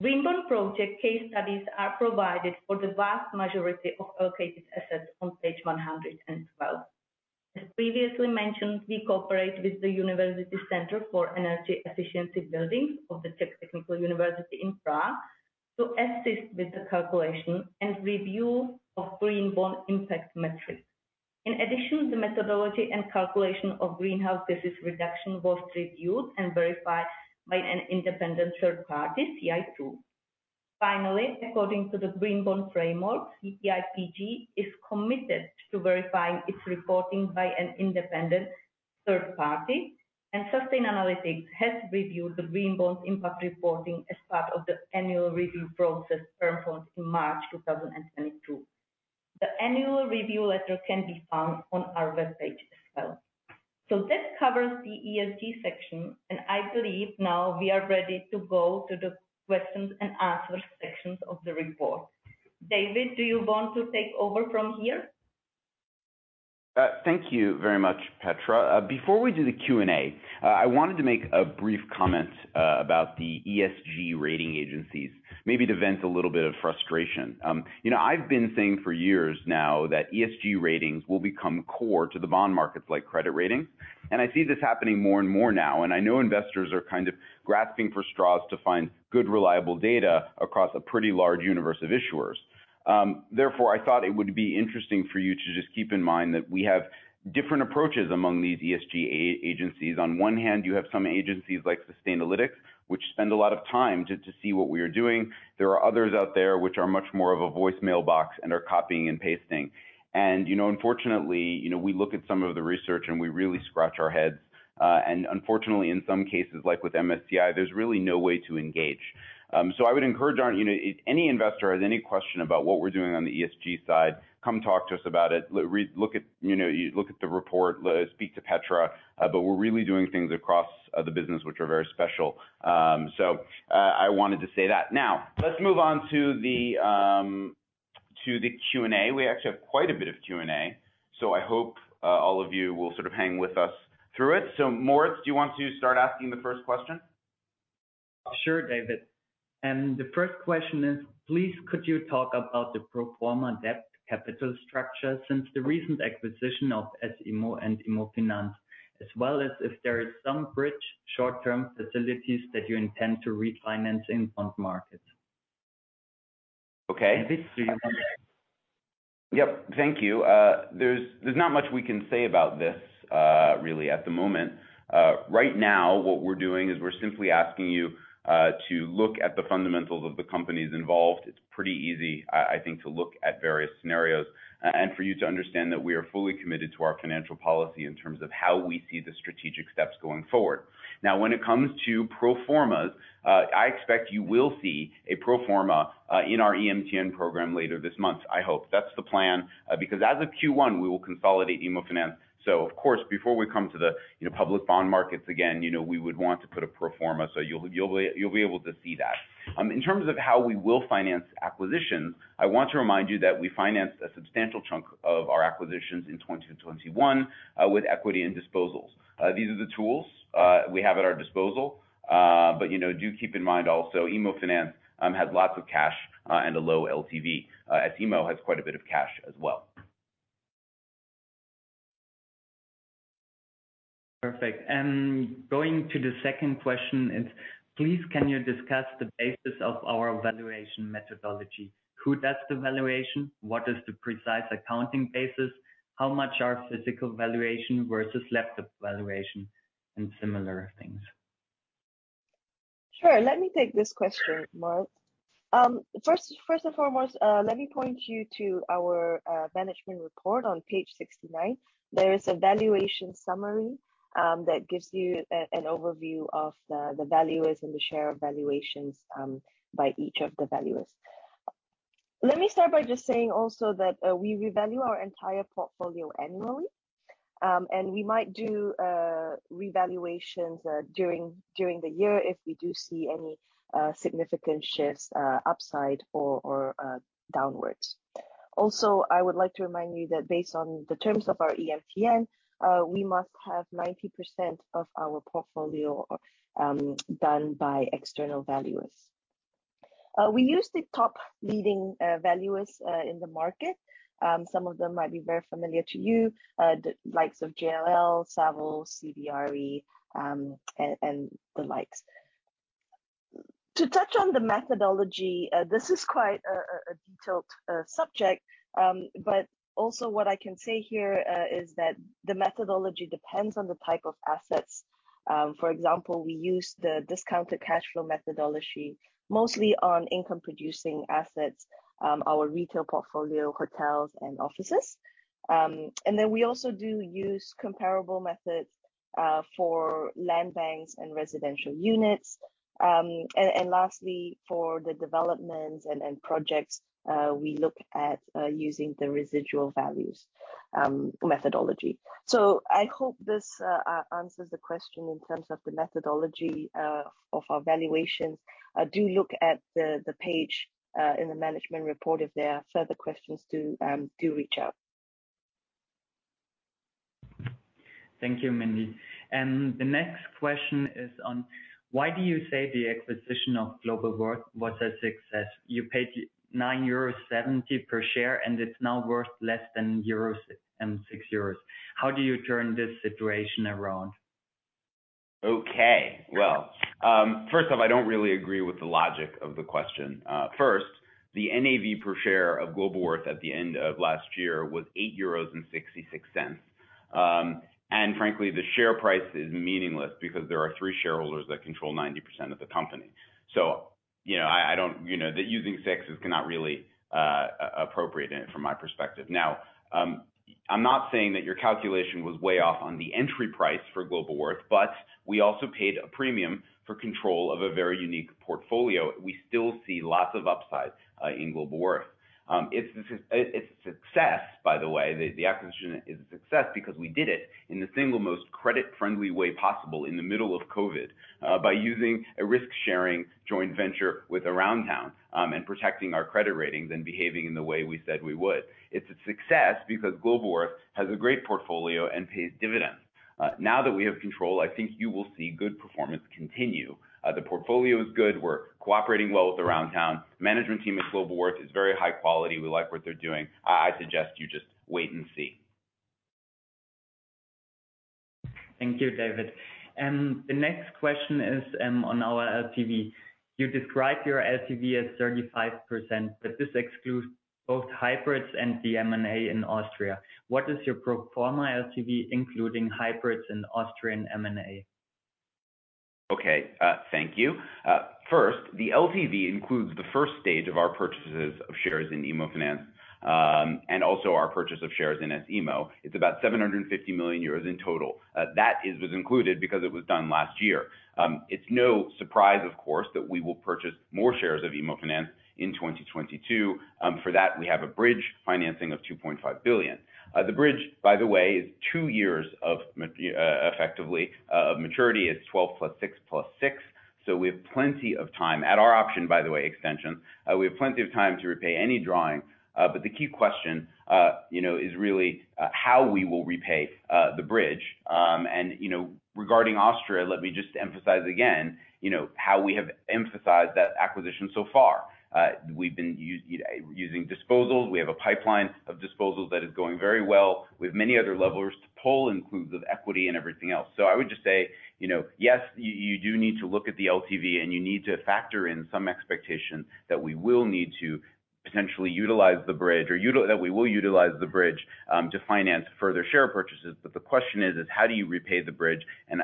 Green bond project case studies are provided for the vast majority of allocated assets on page 112. As previously mentioned, we cooperate with the University Centre for Energy Efficient Buildings of the Czech Technical University in Prague to assist with the calculation and review of green bond impact metrics. In addition, the methodology and calculation of greenhouse gas reduction was reviewed and verified by an independent third party, CI2. Finally, according to the green bond framework, CPIPG is committed to verifying its reporting by an independent third party, and Sustainalytics has reviewed the green bonds impact reporting as part of the annual review process performed in March 2022. The annual review letter can be found on our webpage as well. This covers the ESG section, and I believe now we are ready to go to the questions and answers sections of the report. David, do you want to take over from here? Thank you very much, Petra. Before we do the Q&A, I wanted to make a brief comment about the ESG rating agencies, maybe to vent a little bit of frustration. You know, I've been saying for years now that ESG ratings will become core to the bond markets, like credit ratings. I see this happening more and more now, and I know investors are kind of grasping for straws to find good, reliable data across a pretty large universe of issuers. Therefore, I thought it would be interesting for you to just keep in mind that we have different approaches among these ESG agencies. On one hand, you have some agencies like Sustainalytics, which spend a lot of time to see what we are doing. There are others out there which are much more of a voicemail box and are copying and pasting. You know, unfortunately, you know, we look at some of the research, and we really scratch our heads. Unfortunately, in some cases, like with MSCI, there's really no way to engage. So I would encourage our. You know, if any investor has any question about what we're doing on the ESG side, come talk to us about it. Look at, you know, you look at the report, speak to Petra. But we're really doing things across the business which are very special. So, I wanted to say that. Now, let's move on to the Q&A. We actually have quite a bit of Q&A, so I hope all of you will sort of hang with us through it. Moritz, do you want to start asking the first question? Sure, David. The first question is, please could you talk about the pro forma debt capital structure since the recent acquisition of S Immo and Immofinanz, as well as if there is some bridge short-term facilities that you intend to refinance in bond markets. Okay. David, do you? Yep. Thank you. There's not much we can say about this really at the moment. Right now, what we're doing is we're simply asking you to look at the fundamentals of the companies involved. It's pretty easy, I think, to look at various scenarios, and for you to understand that we are fully committed to our financial policy in terms of how we see the strategic steps going forward. Now, when it comes to pro formas, I expect you will see a pro forma in our EMTN program later this month, I hope. That's the plan. Because as of Q1, we will consolidate Immofinanz. Of course, before we come to the, you know, public bond markets again, you know, we would want to put a pro forma, so you'll be able to see that. In terms of how we will finance acquisitions, I want to remind you that we financed a substantial chunk of our acquisitions in 2020-2021 with equity and disposals. These are the tools we have at our disposal. You know, do keep in mind also, Immofinanz has lots of cash and a low LTV. S Immo has quite a bit of cash as well. Perfect. Going to the second question is, please, can you discuss the basis of our valuation methodology? Who does the valuation? What is the precise accounting basis? How much are physical valuation versus leftover valuation and similar things? Sure. Let me take this question, Moritz. First and foremost, let me point you to our management report on page 69. There is a valuation summary that gives you an overview of the valuers and the share of valuations by each of the valuers. Let me start by just saying also that we revalue our entire portfolio annually. We might do revaluations during the year if we do see any significant shifts upside or downwards. Also, I would like to remind you that based on the terms of our EMTN, we must have 90% of our portfolio done by external valuers. We use the top leading valuers in the market. Some of them might be very familiar to you. The likes of JLL, Savills, CBRE, and the likes. To touch on the methodology, this is quite a detailed subject. What I can say here is that the methodology depends on the type of assets. For example, we use the discounted cash flow methodology mostly on income-producing assets, our retail portfolio, hotels, and offices. We also do use comparable methods for land banks and residential units. Lastly, for the developments and projects, we look at using the residual values methodology. I hope this answers the question in terms of the methodology of our valuations. Do look at the page in the management report. If there are further questions, do reach out. Thank you, Mindee. The next question is on why do you say the acquisition of Globalworth was a success? You paid 9.70 euros per share, and it's now worth less than 6 euros. How do you turn this situation around? Okay. Well, first off, I don't really agree with the logic of the question. First, the NAV per share of Globalworth at the end of last year was 8.66 euros. And frankly, the share price is meaningless because there are three shareholders that control 90% of the company. You know, you know, that using 6 isn't really appropriate from my perspective. Now, I'm not saying that your calculation was way off on the entry price for Globalworth, but we also paid a premium for control of a very unique portfolio. We still see lots of upside in Globalworth. Its success by the way. The acquisition is a success because we did it in the single most credit-friendly way possible in the middle of COVID by using a risk-sharing joint venture with Aroundtown and protecting our credit rating and behaving in the way we said we would. It's a success because Globalworth has a great portfolio and pays dividends. Now that we have control, I think you will see good performance continue. The portfolio is good. We're cooperating well with Aroundtown. Management team at Globalworth is very high quality. We like what they're doing. I suggest you just wait and see. Thank you, David. The next question is on our LTV. You described your LTV as 35%, but this excludes both hybrids and the M&A in Austria. What is your pro forma LTV, including hybrids in Austrian M&A? Thank you. First, the LTV includes the first stage of our purchases of shares in Immofinanz, and also our purchase of shares in S Immo. It's about 750 million euros in total. That was included because it was done last year. It's no surprise of course, that we will purchase more shares of Immofinanz in 2022. For that, we have a bridge financing of 2.5 billion. The bridge, by the way, is two years of maturity, effectively. It's 12 + 6 + 6, so we have plenty of time at our option, by the way, extension. We have plenty of time to repay any drawing. The key question, you know, is really how we will repay the bridge. You know, regarding Austria, let me just emphasize again, you know, how we have emphasized that acquisition so far. We've been using disposals. We have a pipeline of disposals that is going very well. We have many other levers to pull in lieu of equity and everything else. I would just say, you know, yes, you do need to look at the LTV, and you need to factor in some expectation that we will need to potentially utilize the bridge or that we will utilize the bridge, to finance further share purchases. The question is how do you repay the bridge?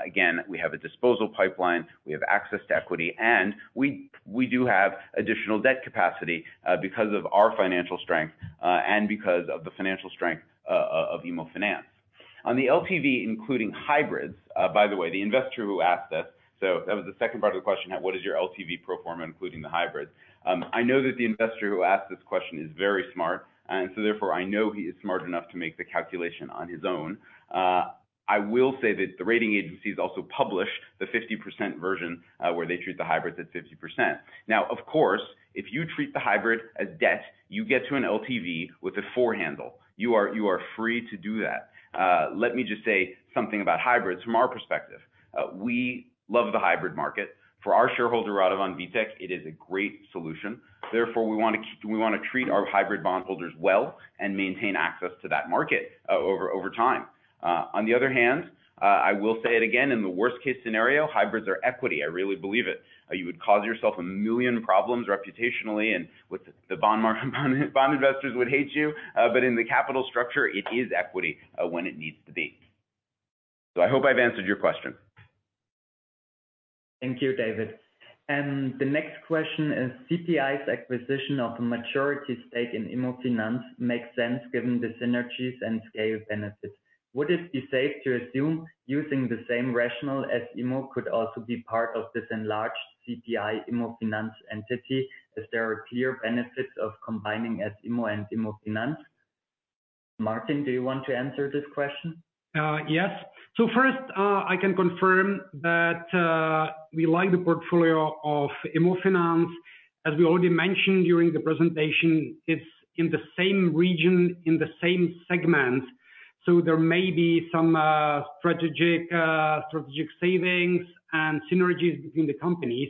Again, we have a disposal pipeline, we have access to equity, and we do have additional debt capacity, because of our financial strength, and because of the financial strength of Immofinanz. On the LTV, including hybrids. By the way, the investor who asked this. That was the second part of the question. What is your LTV pro forma, including the hybrids? I know that the investor who asked this question is very smart, and so therefore I know he is smart enough to make the calculation on his own. I will say that the rating agencies also published the 50% version, where they treat the hybrids at 50%. Now, of course, if you treat the hybrid as debt, you get to an LTV with a four handle. You are free to do that. Let me just say something about hybrids from our perspective. We love the hybrid market. For our shareholder, Radovan Vitek, it is a great solution. Therefore, we wanna treat our hybrid bond holders well and maintain access to that market over time. On the other hand, I will say it again, in the worst case scenario, hybrids are equity. I really believe it. You would cause yourself a million problems reputationally, and bond investors would hate you. But in the capital structure, it is equity, when it needs to be. I hope I've answered your question. Thank you, David. The next question is, CPI's acquisition of a majority stake in Immofinanz makes sense given the synergies and scale benefits. Would it be safe to assume using the same rationale as Immo could also be part of this enlarged CPI Immofinanz entity, if there are clear benefits of combining S Immo and Immofinanz? Martin, do you want to answer this question? First, I can confirm that we like the portfolio of Immofinanz. As we already mentioned during the presentation, it's in the same region, in the same segment. There may be some strategic savings and synergies between the companies.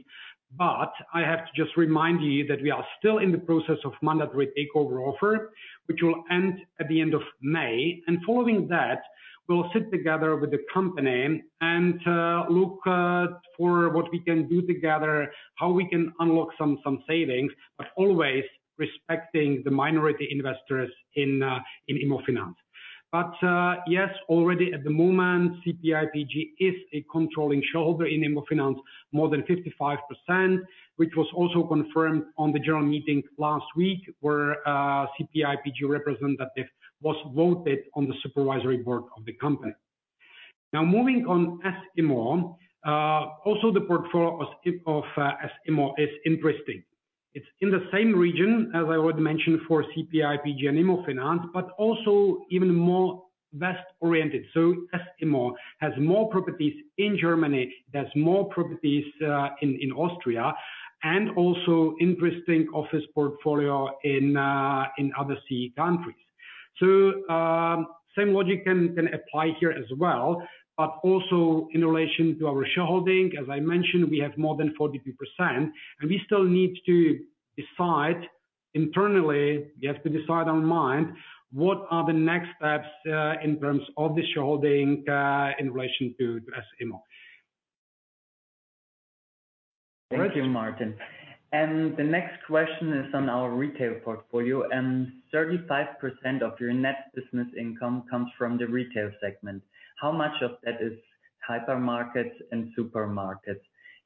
I have to just remind you that we are still in the process of mandatory takeover offer, which will end at the end of May. Following that, we'll sit together with the company and look for what we can do together, how we can unlock some savings, but always respecting the minority investors in Immofinanz. Yes, already at the moment, CPIPG is a controlling shareholder in Immofinanz, more than 55%, which was also confirmed on the general meeting last week, where a CPIPG representative was voted on the supervisory board of the company. Now moving on S Immo. Also the portfolio of S Immo is interesting. It's in the same region as I already mentioned for CPIPG and Immofinanz, but also even more west-oriented. S Immo has more properties in Germany, it has more properties in Austria, and also interesting office portfolio in other CEE countries. Same logic can apply here as well, but also in relation to our shareholding. As I mentioned, we have more than 42% and we still need to decide internally. We have to decide, Mindee, what are the next steps in terms of the shareholding in relation to S Immo. Thank you, Martin. The next question is on our retail portfolio, and 35% of your net business income comes from the retail segment. How much of that is hypermarkets and supermarkets?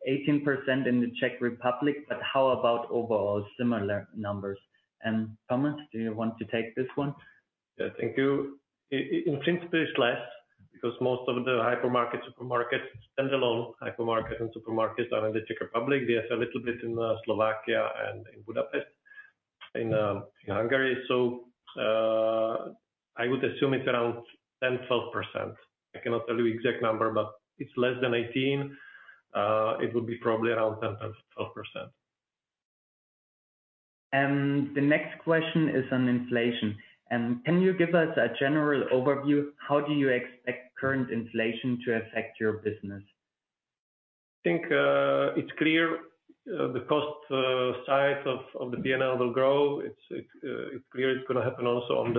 18% in the Czech Republic, but how about overall similar numbers? Tomáš, do you want to take this one? Yeah, thank you. In principle it's less because most of the hypermarket, supermarket, standalone hypermarket and supermarkets are in the Czech Republic. We have a little bit in Slovakia and in Budapest, in Hungary. I would assume it's around 10%-12%. I cannot tell you exact number, but it's less than 18%. It will be probably around 10%-12%. The next question is on inflation. Can you give us a general overview, how do you expect current inflation to affect your business? I think it's clear the cost side of the P&L will grow. It's clear it's gonna happen also on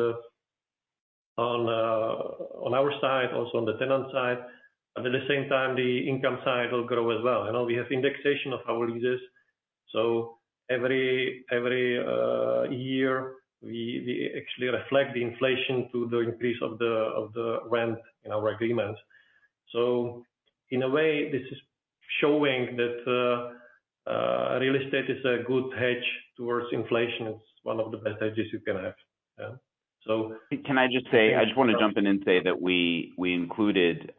our side, also on the tenant side. At the same time, the income side will grow as well. You know, we have indexation of our leases, so every year we actually reflect the inflation through the increase of the rent in our agreement. In a way, this is showing that real estate is a good hedge towards inflation. It's one of the best hedges you can have. Yeah. Can I just say, I just wanna jump in and say that we included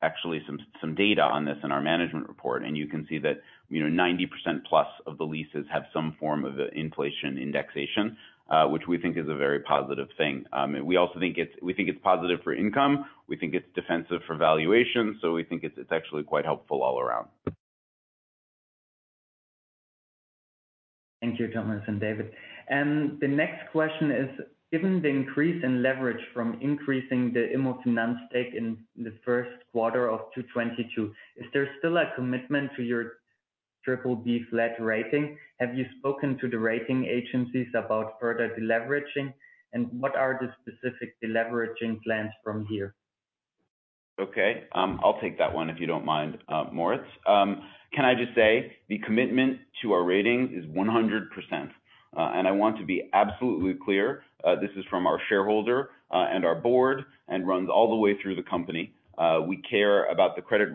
actually some data on this in our management report. You can see that, you know, 90% plus of the leases have some form of inflation indexation, which we think is a very positive thing. We also think it's positive for income, we think it's defensive for valuation, so we think it's actually quite helpful all around. Thank you, Tomáš and David. The next question is, given the increase in leverage from increasing the Immofinanz stake in the first quarter of 2022, is there still a commitment to your triple B flat rating? Have you spoken to the rating agencies about further deleveraging? What are the specific deleveraging plans from here? I'll take that one, if you don't mind, Moritz. Can I just say, the commitment to our rating is 100%. I want to be absolutely clear, this is from our shareholder, and our board, and runs all the way through the company. We care about the credit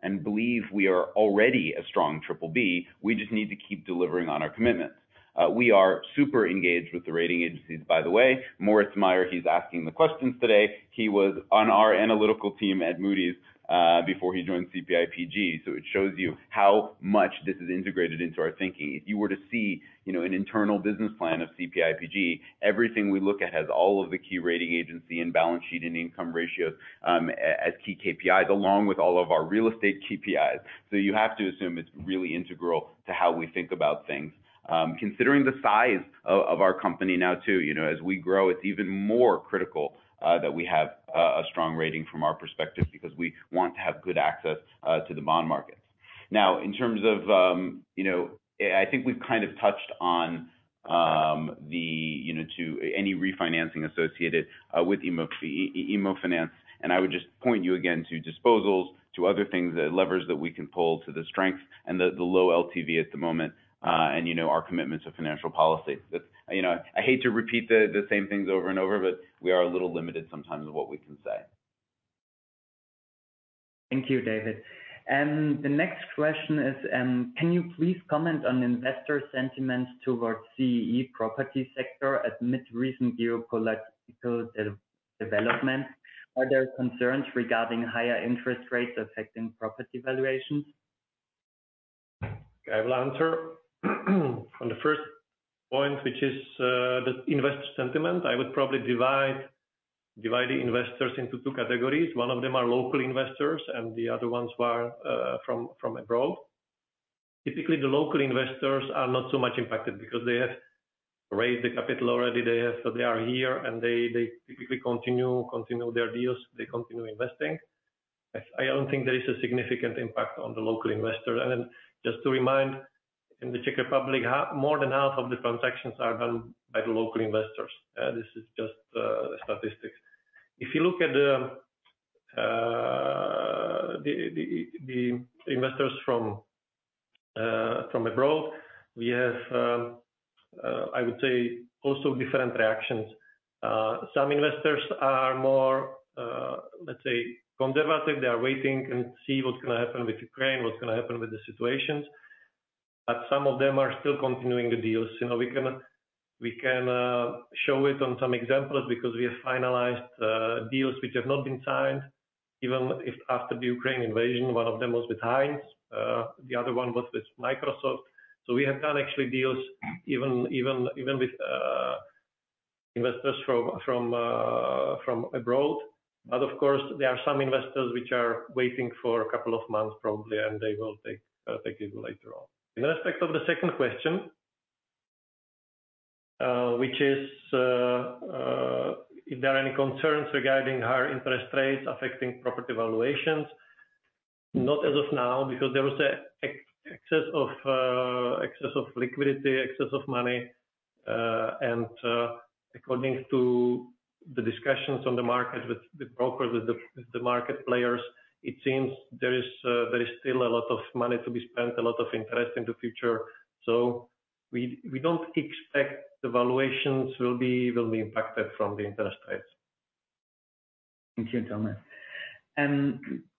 rating and believe we are already a strong triple B. We just need to keep delivering on our commitments. We are super engaged with the rating agencies. By the way, Moritz Mayer, he's asking the questions today. He was on our analytical team at Moody's, before he joined CPI PG. So it shows you how much this is integrated into our thinking. If you were to see, you know, an internal business plan of CPI PG, everything we look at has all of the key rating agency and balance sheet and income ratios, as key KPIs, along with all of our real estate KPIs. You have to assume it's really integral to how we think about things. Considering the size of our company now too, you know, as we grow, it's even more critical that we have a strong rating from our perspective because we want to have good access to the bond markets. Now, in terms of, you know... I think we've kind of touched on the you know to any refinancing associated with Immofinanz, and I would just point you again to disposals, to other things, the levers that we can pull to the strength and the low LTV at the moment, and you know, our commitments to financial policy. That's you know, I hate to repeat the same things over and over, but we are a little limited sometimes in what we can say. Thank you, David. The next question is, can you please comment on investor sentiments towards CEE property sector amid recent geopolitical development? Are there concerns regarding higher interest rates affecting property valuations? Okay. I will answer on the first point, which is the investor sentiment. I would probably divide the investors into two categories. One of them are local investors, and the other ones are from abroad. Typically, the local investors are not so much impacted because they have raised the capital already. They are here, and they typically continue their deals, they continue investing. I don't think there is a significant impact on the local investor. Just to remind, in the Czech Republic, more than half of the transactions are done by the local investors. This is just statistics. If you look at the investors from abroad, we have, I would say also different reactions. Some investors are more, let's say conservative. They are waiting to see what's gonna happen with Ukraine, what's gonna happen with the situations. Some of them are still continuing the deals. You know, we can show it on some examples because we have finalized deals which have not been signed, even after the Ukraine invasion. One of them was with Hines, the other one was with Microsoft. We have done actually deals even with investors from abroad. Of course, there are some investors which are waiting for a couple of months probably, and they will take it later on. In respect of the second question, which is if there are any concerns regarding higher interest rates affecting property valuations. Not as of now because there was an excess of liquidity, excess of money. According to the discussions on the market with the brokers, with the market players, it seems there is still a lot of money to be spent, a lot of interest in the future. We don't expect the valuations will be impacted from the interest rates. Thank you, Tomáš.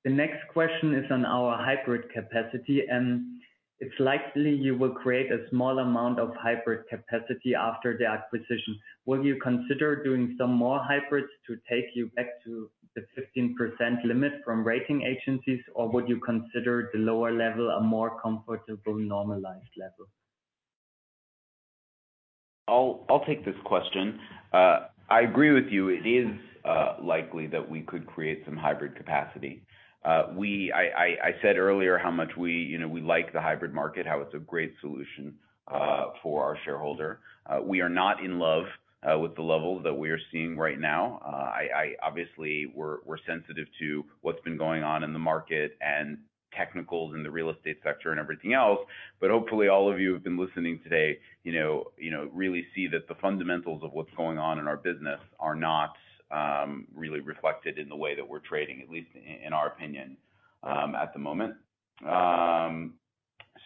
The next question is on our hybrid capacity, and it's likely you will create a small amount of hybrid capacity after the acquisition. Will you consider doing some more hybrids to take you back to the 15% limit from rating agencies, or would you consider the lower level a more comfortable, normalized level? I'll take this question. I agree with you. It is likely that we could create some hybrid capacity. I said earlier how much we, you know, like the hybrid market, how it's a great solution for our shareholder. We are not in love with the level that we are seeing right now. Obviously, we're sensitive to what's been going on in the market and technicals in the real estate sector and everything else. Hopefully all of you who've been listening today, you know, really see that the fundamentals of what's going on in our business are not really reflected in the way that we're trading, at least in our opinion, at the moment.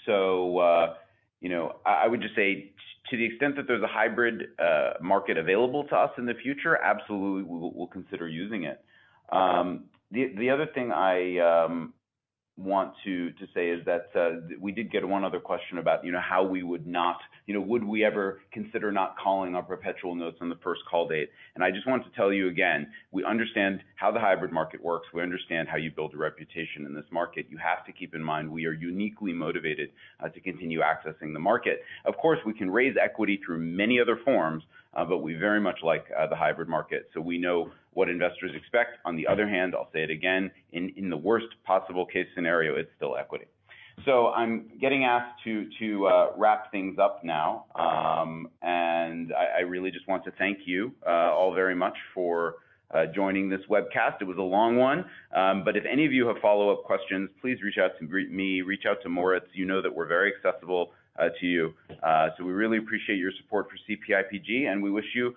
So, you know, I would just say to the extent that there's a hybrid market available to us in the future, absolutely we'll consider using it. The other thing I want to say is that we did get one other question about, you know, would we ever consider not calling our perpetual notes on the first call date? I just want to tell you again, we understand how the hybrid market works. We understand how you build a reputation in this market. You have to keep in mind we are uniquely motivated to continue accessing the market. Of course, we can raise equity through many other forms, but we very much like the hybrid market, so we know what investors expect. On the other hand, I'll say it again, in the worst possible case scenario, it's still equity. I'm getting asked to wrap things up now. I really just want to thank you all very much for joining this webcast. It was a long one. If any of you have follow-up questions, please reach out to me, reach out to Moritz. You know that we're very accessible to you. We really appreciate your support for CPIPG, and we wish you